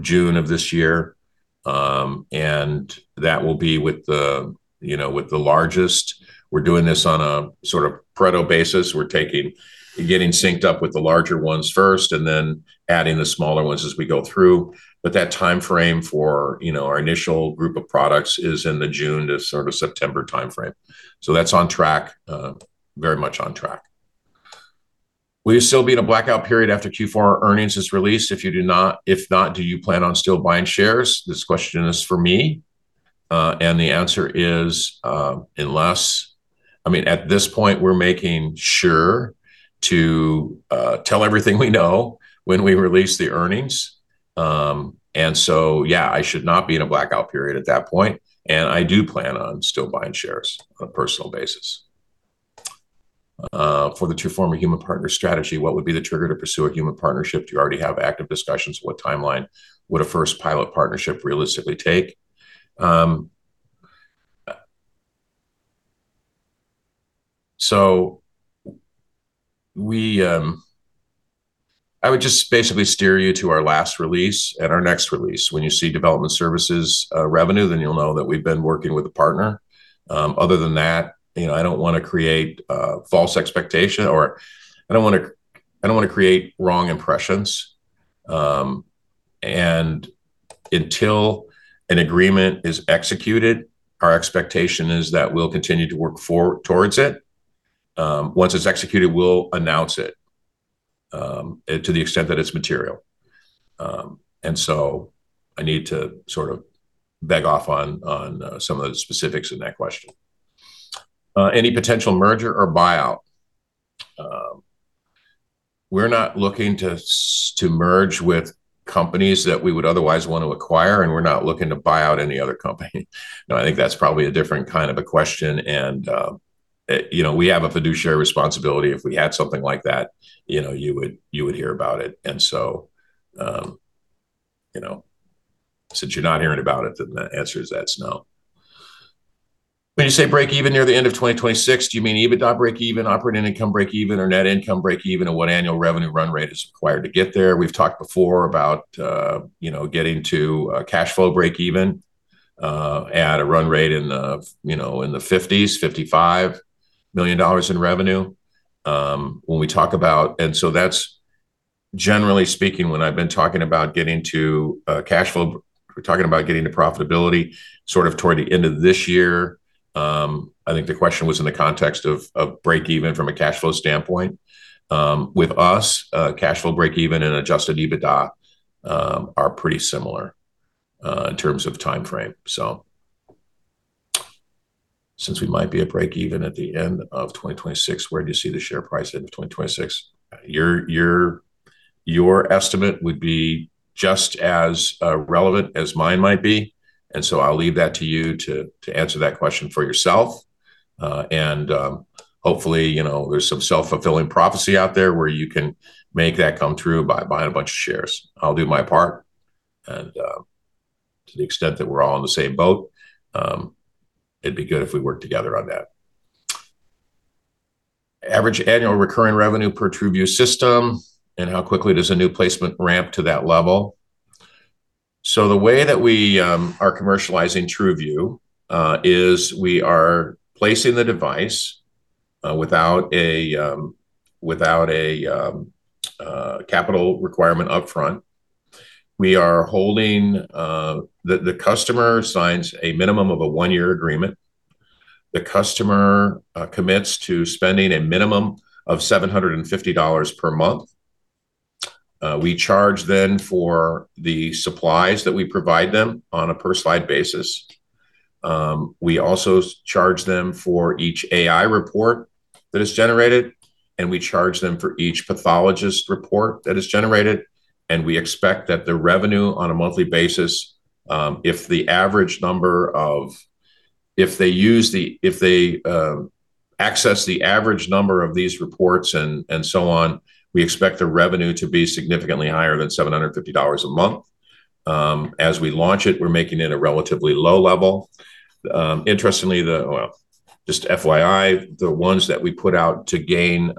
June of this year. That will be with the, you know, with the largest. We're getting synced up with the larger ones first and then adding the smaller ones as we go through. That timeframe for, you know, our initial group of products is in the June to sort of September timeframe. That's on track, very much on track. Will you still be in a blackout period after Q4 earnings is released? If not, do you plan on still buying shares? This question is for me. The answer is, I mean, at this point, we're making sure to tell everything we know when we release the earnings. Yeah, I should not be in a blackout period at that point, and I do plan on still buying shares on a personal basis. For the TRUFORMA human partner strategy, what would be the trigger to pursue a human partnership? Do you already have active discussions? What timeline would a first pilot partnership realistically take? I would just basically steer you to our last release and our next release. When you see development services, revenue, you'll know that we've been working with a partner. Other than that, you know, I don't wanna create false expectation, or I don't wanna create wrong impressions. Until an agreement is executed, our expectation is that we'll continue to work towards it. Once it's executed, we'll announce it to the extent that it's material. I need to sort of beg off on some of the specifics in that question. Any potential merger or buyout? We're not looking to merge with companies that we would otherwise want to acquire, and we're not looking to buy out any other company. No, I think that's probably a different kind of a question. You know, we have a fiduciary responsibility. If we had something like that, you know, you would hear about it. You know, since you're not hearing about it, then the answer to that is no. When you say break even near the end of 2026, do you mean EBITDA break even, operating income break even, or net income break even, or what annual revenue run rate is required to get there? We've talked before about, you know, getting to a cash flow break even at a run rate in the, you know, in the 50s, $55 million in revenue. That's generally speaking, when I've been talking about getting to cash flow, we're talking about getting to profitability sort of toward the end of this year. I think the question was in the context of breakeven from a cash flow standpoint. With us, cash flow breakeven and adjusted EBITDA are pretty similar in terms of time frame. Since we might be at breakeven at the end of 2026, where do you see the share price at end of 2026? Your estimate would be just as relevant as mine might be. I'll leave that to you to answer that question for yourself. Hopefully, you know, there's some self-fulfilling prophecy out there where you can make that come through by buying a bunch of shares. I'll do my part. To the extent that we're all in the same boat, it'd be good if we work together on that. Average annual recurring revenue per TRUVIEW system, and how quickly does a new placement ramp to that level? The way that we are commercializing TRUVIEW, is we are placing the device without a capital requirement upfront. We are holding. The customer signs a minimum of a one-year agreement. The customer commits to spending a minimum of $750 per month. We charge then for the supplies that we provide them on a per slide basis. We also charge them for each AI report that is generated. We charge them for each pathologist report that is generated. We expect that the revenue on a monthly basis, if they access the average number of these reports and so on, we expect the revenue to be significantly higher than $750 a month. As we launch it, we're making it a relatively low level. Interestingly, Well, just FYI, the ones that we put out to gain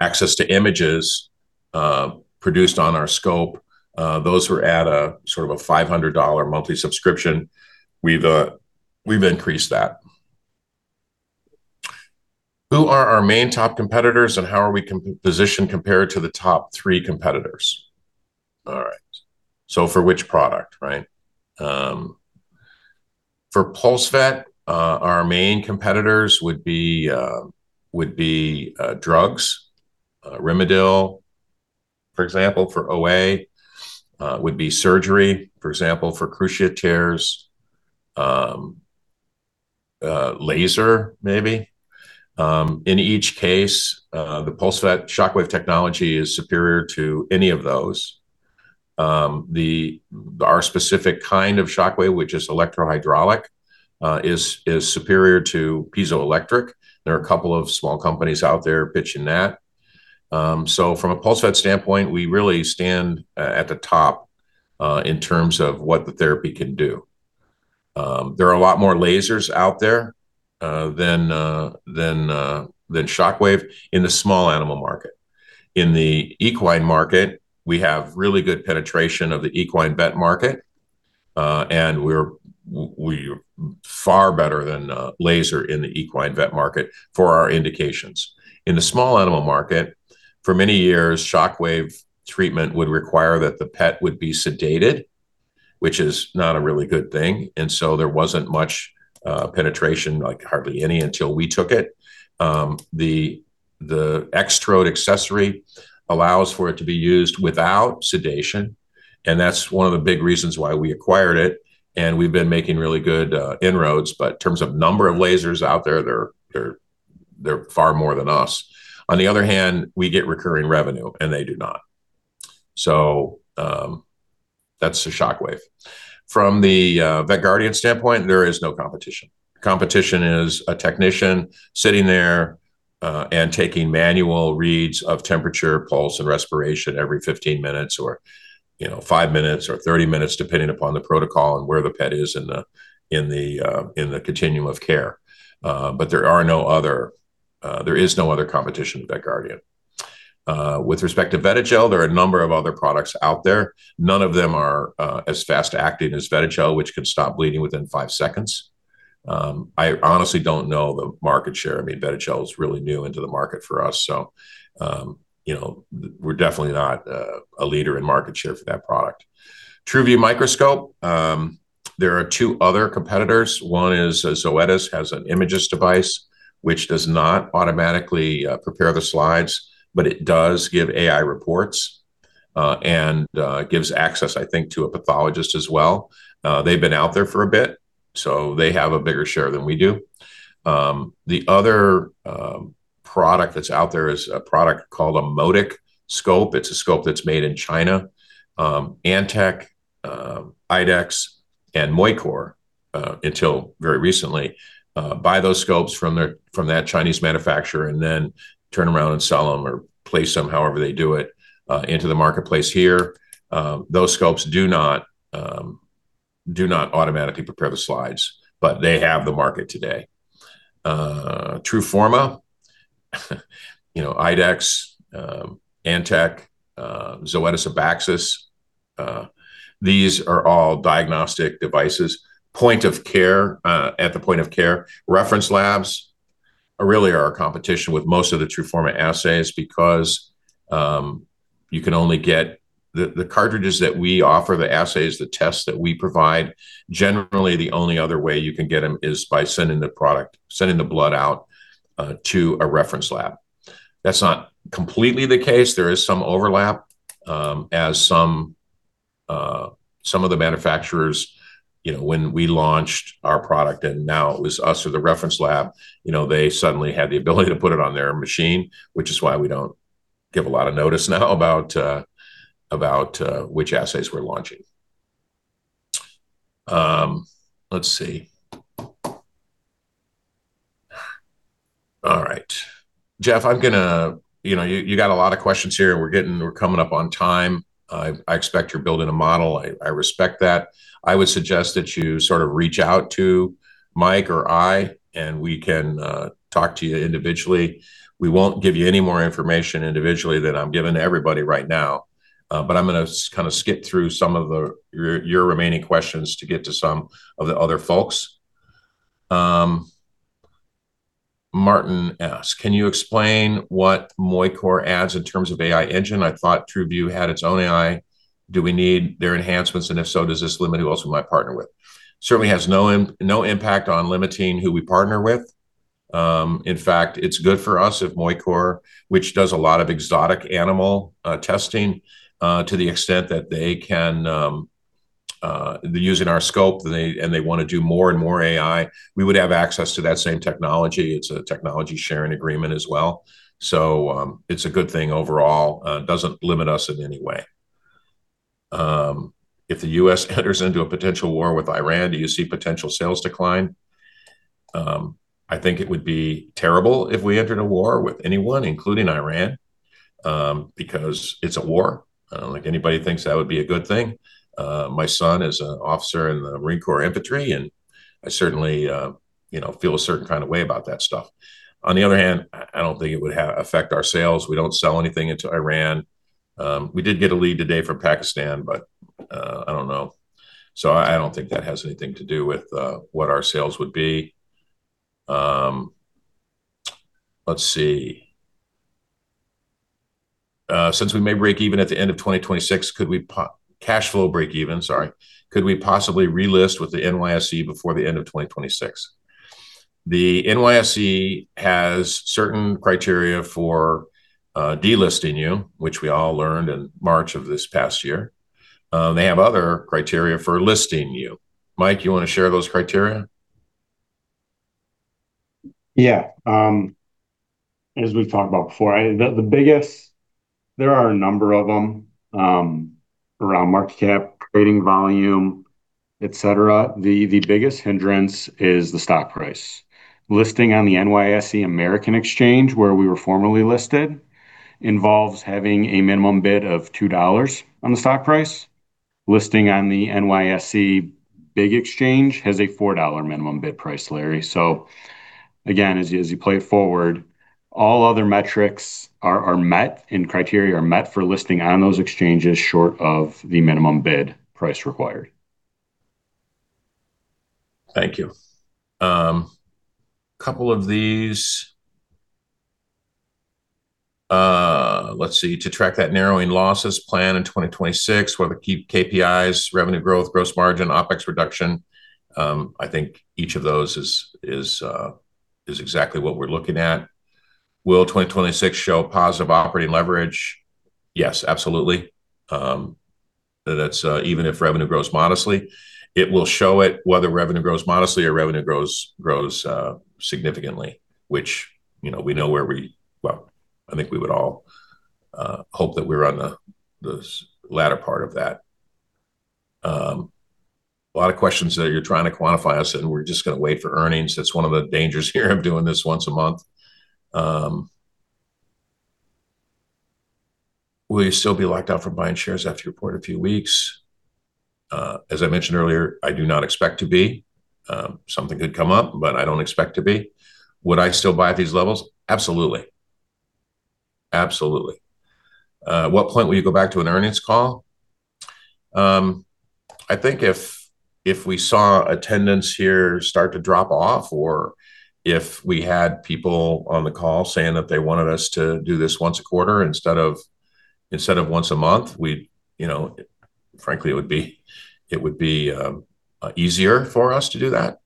access to images produced on our scope, those were at a sort of a $500 monthly subscription. We've increased that. Who are our main top competitors, and how are we positioned compared to the top three competitors? All right. For which product, right? For PulseVet, our main competitors would be drugs, Rimadyl, for example, for OA, would be surgery, for example, for cruciate tears, laser, maybe. In each case, the PulseVet shockwave technology is superior to any of those. Our specific kind of shockwave, which is electrohydraulic, is superior to piezoelectric. There are a couple of small companies out there pitching that. From a PulseVet standpoint, we really stand at the top in terms of what the therapy can do. There are a lot more lasers out there than shockwave in the small animal market. In the equine market, we have really good penetration of the equine vet market, and we're far better than a laser in the equine vet market for our indications. In the small animal market, for many years, shockwave treatment would require that the pet would be sedated, which is not a really good thing. There wasn't much penetration, like hardly any, until we took it. The Extrode accessory allows for it to be used without sedation, and that's one of the big reasons why we acquired it. We've been making really good inroads. In terms of number of lasers out there, they're far more than us. On the other hand, we get recurring revenue, and they do not. That's the shockwave. From the VetGuardian standpoint, there is no competition. Competition is a technician sitting there, and taking manual reads of temperature, pulse, and respiration every 15 minutes or, you know, five minutes or 30 minutes, depending upon the protocol and where the pet is in the continuum of care. There is no other competition to VetGuardian. With respect to VETIGEL, there are a number of other products out there. None of them are as fast-acting as VETIGEL, which can stop bleeding within five seconds. I honestly don't know the market share. I mean, VETIGEL is really new into the market for us, you know, we're definitely not a leader in market share for that product. TRUVIEW microscope, there are two other competitors. One is Zoetis has an Imagyst device, which does not automatically prepare the slides, but it does give AI reports and gives access, I think, to a pathologist as well. They've been out there for a bit, they have a bigger share than we do. The other product that's out there is a product called a Motic scope. It's a scope that's made in China. Antech, IDEXX, and Moichor, until very recently, buy those scopes from that Chinese manufacturer and then turn around and sell them or place them however they do it into the marketplace here. Those scopes do not automatically prepare the slides. They have the market today. TRUFORMA, you know, IDEXX, Antech, Zoetis Abaxis. These are all diagnostic devices. Point of care, at the point of care. Reference labs really are our competition with most of the TRUFORMA assays because you can only get the cartridges that we offer, the assays, the tests that we provide, generally, the only other way you can get them is by sending the product, sending the blood out to a reference lab. That's not completely the case. There is some overlap, as some of the manufacturers, you know, when we launched our product and now it was us or the reference lab, you know, they suddenly had the ability to put it on their machine, which is why we don't give a lot of notice now about, which assays we're launching. Let's see. All right. Jeff, I'm gonna, you know, you got a lot of questions here, and we're coming up on time. I expect you're building a model. I respect that. I would suggest that you sort of reach out to Mike or I, and we can talk to you individually. We won't give you any more information individually than I'm giving to everybody right now. I'm gonna kind of skip through some of your remaining questions to get to some of the other folks. Martin asks, "Can you explain what Moichor adds in terms of AI engine? I thought TRUVIEW had its own AI. Do we need their enhancements, and if so, does this limit who else we might partner with?" Certainly has no impact on limiting who we partner with. In fact, it's good for us if Moichor, which does a lot of exotic animal testing, to the extent that they can, using our scope, and they wanna do more and more AI, we would have access to that same technology. It's a technology-sharing agreement as well. It's a good thing overall. It doesn't limit us in any way. If the US enters into a potential war with Iran, do you see potential sales decline?" I think it would be terrible if we entered a war with anyone, including Iran, because it's a war. I don't think anybody thinks that would be a good thing. My son is an officer in the Marine Corps Infantry, and I certainly, you know, feel a certain kind of way about that stuff. On the other hand, I don't think it would affect our sales. We don't sell anything into Iran. We did get a lead today from Pakistan, but I don't know. I don't think that has anything to do with what our sales would be. Let's see. Since we may break even at the end of 2026, could we cash flow break even," sorry, "could we possibly relist with the NYSE before the end of 2026?" The NYSE has certain criteria for delisting you, which we all learned in March of this past year. They have other criteria for listing you. Mike, you wanna share those criteria? Yeah. As we've talked about before, there are a number of them around market cap, trading volume, et cetera. The biggest hindrance is the stock price. Listing on the NYSE American Exchange, where we were formerly listed, involves having a minimum bid of $2 on the stock price. Listing on the NYSE big exchange has a $4 minimum bid price, Larry Heaton. Again, as you play it forward, all other metrics are met, and criteria are met for listing on those exchanges short of the minimum bid price required. Thank you. Couple of these. Let's see, to track that narrowing losses planned in 2026, what are the key KPIs, revenue growth, gross margin, OpEx reduction? I think each of those is exactly what we're looking at. Will 2026 show positive operating leverage? Yes, absolutely. That's even if revenue grows modestly, it will show it whether revenue grows modestly or revenue grows significantly, which, you know, we know where we well, I think we would all hope that we're on the, this latter part of that. A lot of questions that you're trying to quantify us, we're just gonna wait for earnings. That's one of the dangers here of doing this once a month. Will you still be locked out from buying shares after you report a few weeks? As I mentioned earlier, I do not expect to be. Something could come up, but I don't expect to be. Would I still buy at these levels? Absolutely. Absolutely. What point will you go back to an earnings call? I think if we saw attendance here start to drop off or if we had people on the call saying that they wanted us to do this once a quarter instead of once a month, we'd, you know, frankly, it would be easier for us to do that.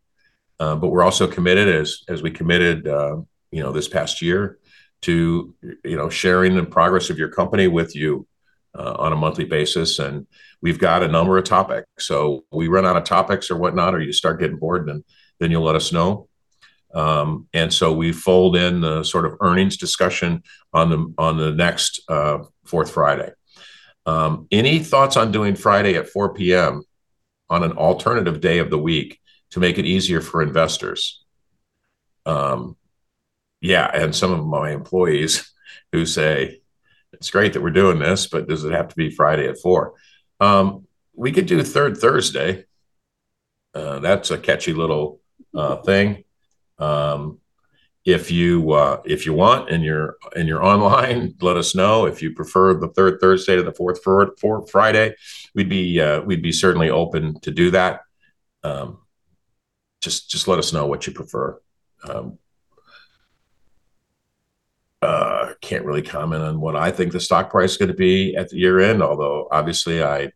We're also committed as we committed, you know, this past year to, you know, sharing the progress of your company with you on a monthly basis, and we've got a number of topics. We run out of topics or whatnot, or you start getting bored, then you'll let us know. We fold in the sort of earnings discussion on the next fourth Friday. Any thoughts on doing Friday at 4:00 P.M. on an alternative day of the week to make it easier for investors? Yeah, some of my employees who say, It's great that we're doing this, but does it have to be Friday at 4:00? We could do third Thursday. That's a catchy little thing. If you want and you're online, let us know if you prefer the 3rd Thursday to the 4th Friday. We'd be certainly open to do that. Just let us know what you prefer. Can't really comment on what I think the stock price is gonna be at the year-end, although obviously I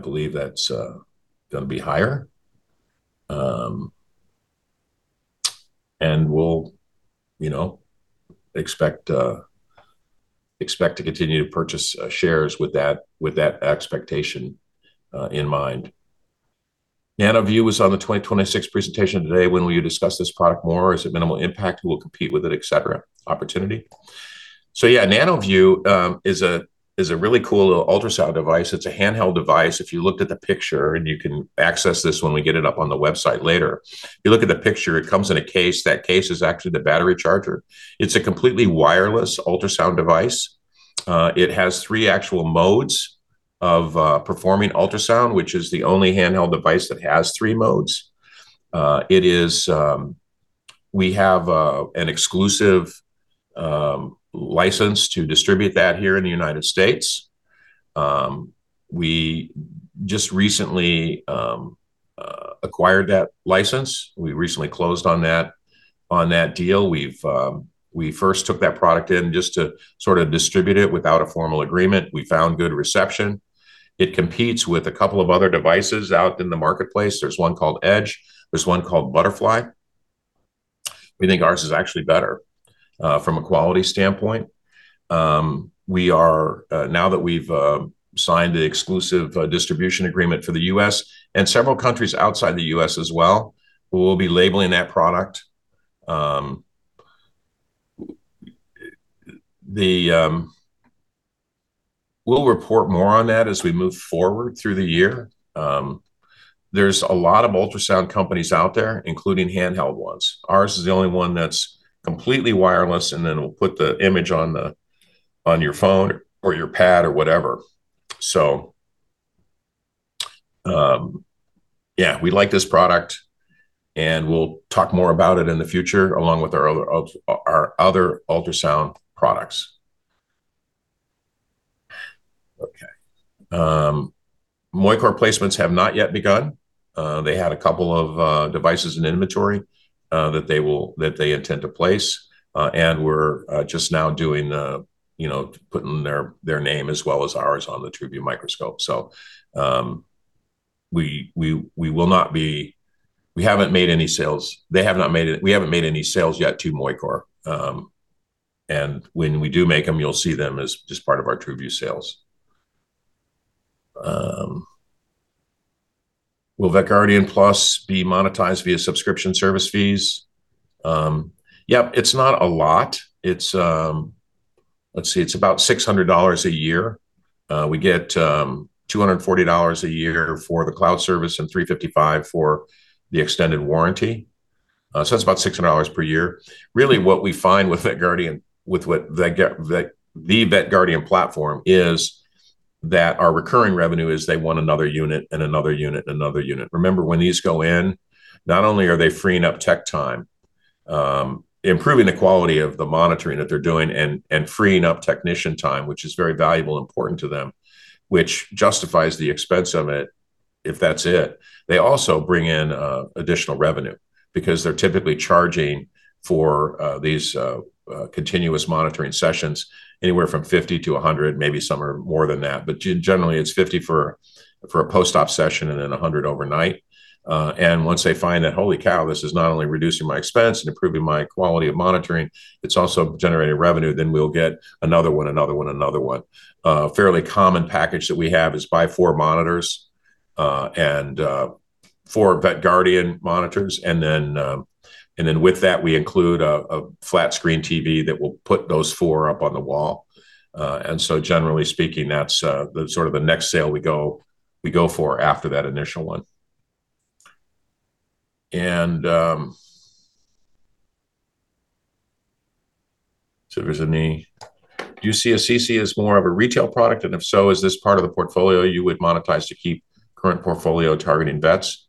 believe that's gonna be higher. And we'll, you know, expect to continue to purchase shares with that expectation in mind. NanoView was on the 2026 presentation today. When will you discuss this product more? Is it minimal impact? Will compete with it, et cetera, opportunity? Yeah, NanoView is a really cool little ultrasound device. It's a handheld device. If you looked at the picture, and you can access this when we get it up on the website later. If you look at the picture, it comes in a case. That case is actually the battery charger. It's a completely wireless ultrasound device. It has three actual modes of performing ultrasound, which is the only handheld device that has three modes. It is, we have an exclusive license to distribute that here in the United States. We just recently acquired that license. We recently closed on that deal. We've we first took that product in just to sort of distribute it without a formal agreement. We found good reception. It competes with a couple of other devices out in the marketplace. There's one called Edge. There's one called Butterfly iQ. We think ours is actually better from a quality standpoint. Now that we've signed the exclusive distribution agreement for the US and several countries outside the US as well, we will be labeling that product. We'll report more on that as we move forward through the year. There's a lot of ultrasound companies out there, including handheld ones. Ours is the only one that's completely wireless, and then it'll put the image on your phone or your pad or whatever. Yeah, we like this product, and we'll talk more about it in the future, along with our other ultrasound products. Moichor placements have not yet begun. They had a couple of devices in inventory that they intend to place, and we're just now doing the, you know, putting their name as well as ours on the TRUVIEW microscope. We haven't made any sales. We haven't made any sales yet to Moichor. When we do make them, you'll see them as just part of our TRUVIEW sales. Will VETGuardian PLUS be monetized via subscription service fees? Yep. It's not a lot. It's let's see. It's about $600 a year. We get $240 a year for the cloud service and $355 for the extended warranty. So that's about $600 per year. Really what we find with VetGuardian, with the VetGuardian platform is that our recurring revenue is they want another unit, and another unit, and another unit. Remember, when these go in, not only are they freeing up tech time, improving the quality of the monitoring that they're doing and freeing up technician time, which is very valuable and important to them, which justifies the expense of it if that's it. They also bring in additional revenue because they're typically charging for these continuous monitoring sessions anywhere from $50-$100, maybe some are more than that. Generally, it's $50 for a post-op session and then $100 overnight. Once they find that, holy cow, this is not only reducing my expense and improving my quality of monitoring, it's also generating revenue, then we'll get another one, another one, another one. A fairly common package that we have is buy four monitors, and four VetGuardian monitors, and then, and then with that we include a flat-screen TV that will put those four up on the wall. Generally speaking, that's the sort of the next sale we go for after that initial one. If there's any, do you see Assisi as more of a retail product? And if so, is this part of the portfolio you would monetize to keep current portfolio targeting vets?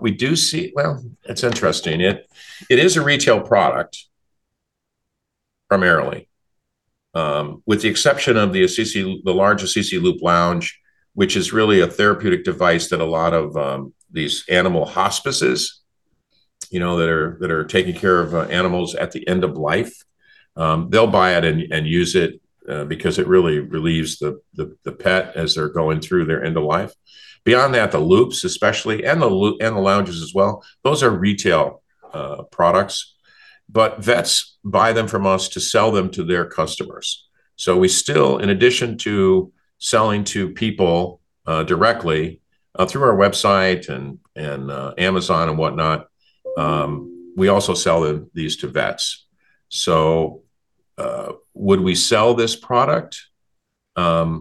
We do see Well, it's interesting. It is a retail product primarily, with the exception of the large Assisi Loop Lounge, which is really a therapeutic device that a lot of these animal hospices, you know, that are taking care of animals at the end of life, they'll buy it and use it because it really relieves the pet as they're going through their end of life. Beyond that, the Loops especially, and the lounges as well, those are retail products. Vets buy them from us to sell them to their customers. We still, in addition to selling to people, directly, through our website and Amazon and whatnot, we also sell these to vets. Would we sell this product? Would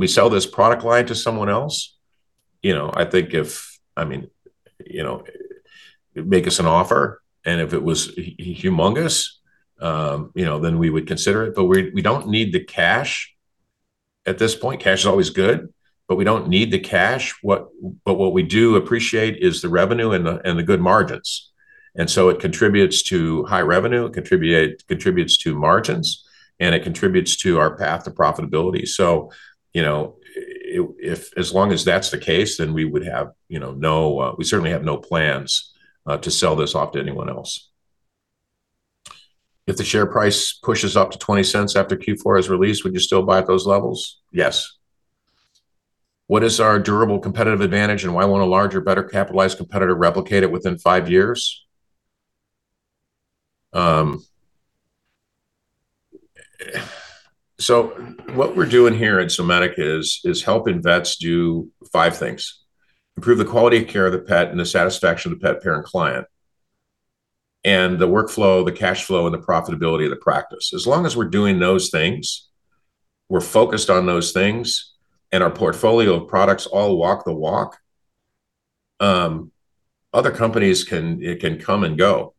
we sell this product line to someone else? You know, I think if, I mean, you know, make us an offer, if it was humongous, you know, then we would consider it. We don't need the cash. At this point, cash is always good, we don't need the cash. What we do appreciate is the revenue and the good margins. It contributes to high revenue, it contributes to margins, and it contributes to our path to profitability. You know, if as long as that's the case, then we would have, you know, no, we certainly have no plans to sell this off to anyone else. If the share price pushes up to $0.20 after Q4 is released, would you still buy at those levels? Yes. What is our durable competitive advantage, and why won't a larger, better-capitalized competitor replicate it within five years? What we're doing here at Zomedica is helping vets do five things: improve the quality of care of the pet and the satisfaction of the pet-parent client, and the workflow, the cash flow, and the profitability of the practice. As long as we're doing those things, we're focused on those things, and our portfolio of products all walk the walk, other companies can come and go.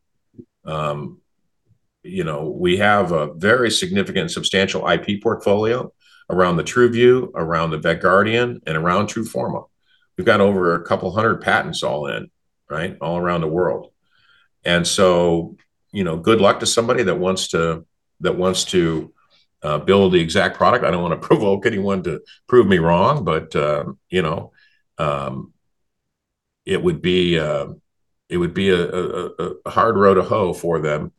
You know, we have a very significant substantial IP portfolio around the TRUVIEW, around the VetGuardian, and around TRUFORMA. We've got over a couple hundred patents all in, right? All around the world. You know, good luck to somebody that wants to build the exact product. I don't wanna provoke anyone to prove me wrong, but, you know, it would be a hard row to hoe for them,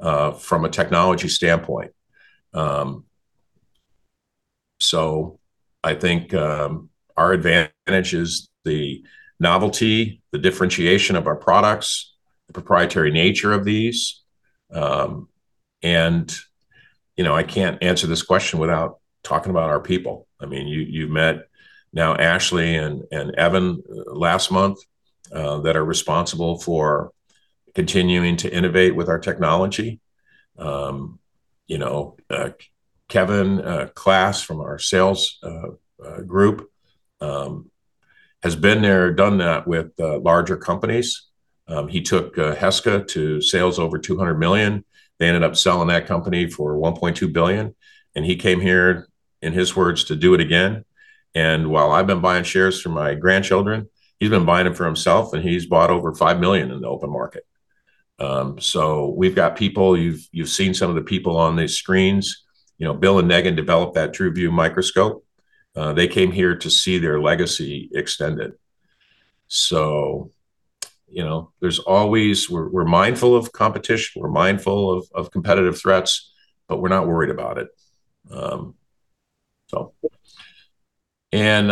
from a technology standpoint. I think our advantage is the novelty, the differentiation of our products, the proprietary nature of these. You know, I can't answer this question without talking about our people. I mean, you met now Ashley and Evan last month, that are responsible for continuing to innovate with our technology. You know, Kevin Klass from our sales group, has been there, done that with larger companies. He took Heska to sales over $200 million. They ended up selling that company for $1.2 billion. He came here, in his words, to do it again. While I've been buying shares for my grandchildren, he's been buying them for himself, and he's bought over $5 million in the open market. We've got people. You've seen some of the people on these screens. You know, Bill and Negin developed that TRUVIEW microscope. They came here to see their legacy extended. You know, there's always, we're mindful of competition, we're mindful of competitive threats, but we're not worried about it.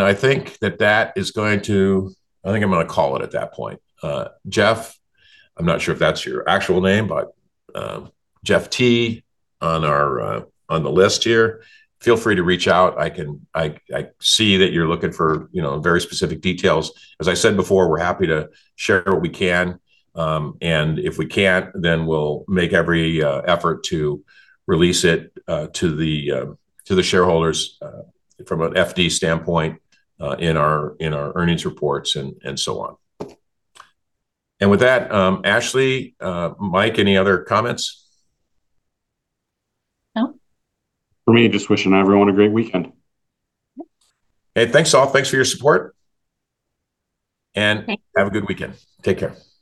I think that that is going to, I think I'm gonna call it at that point. Jeff, I'm not sure if that's your actual name, but, Jeff T on our, on the list here, feel free to reach out. I see that you're looking for, you know, very specific details. As I said before, we're happy to share what we can. If we can't, then we'll make every effort to release it to the shareholders from an FD standpoint in our earnings reports and so on. With that, Ashley, Mike, any other comments? No. For me, just wishing everyone a great weekend. Hey, thanks all. Thanks for your support. Thanks Have a good weekend. Take care. Bye.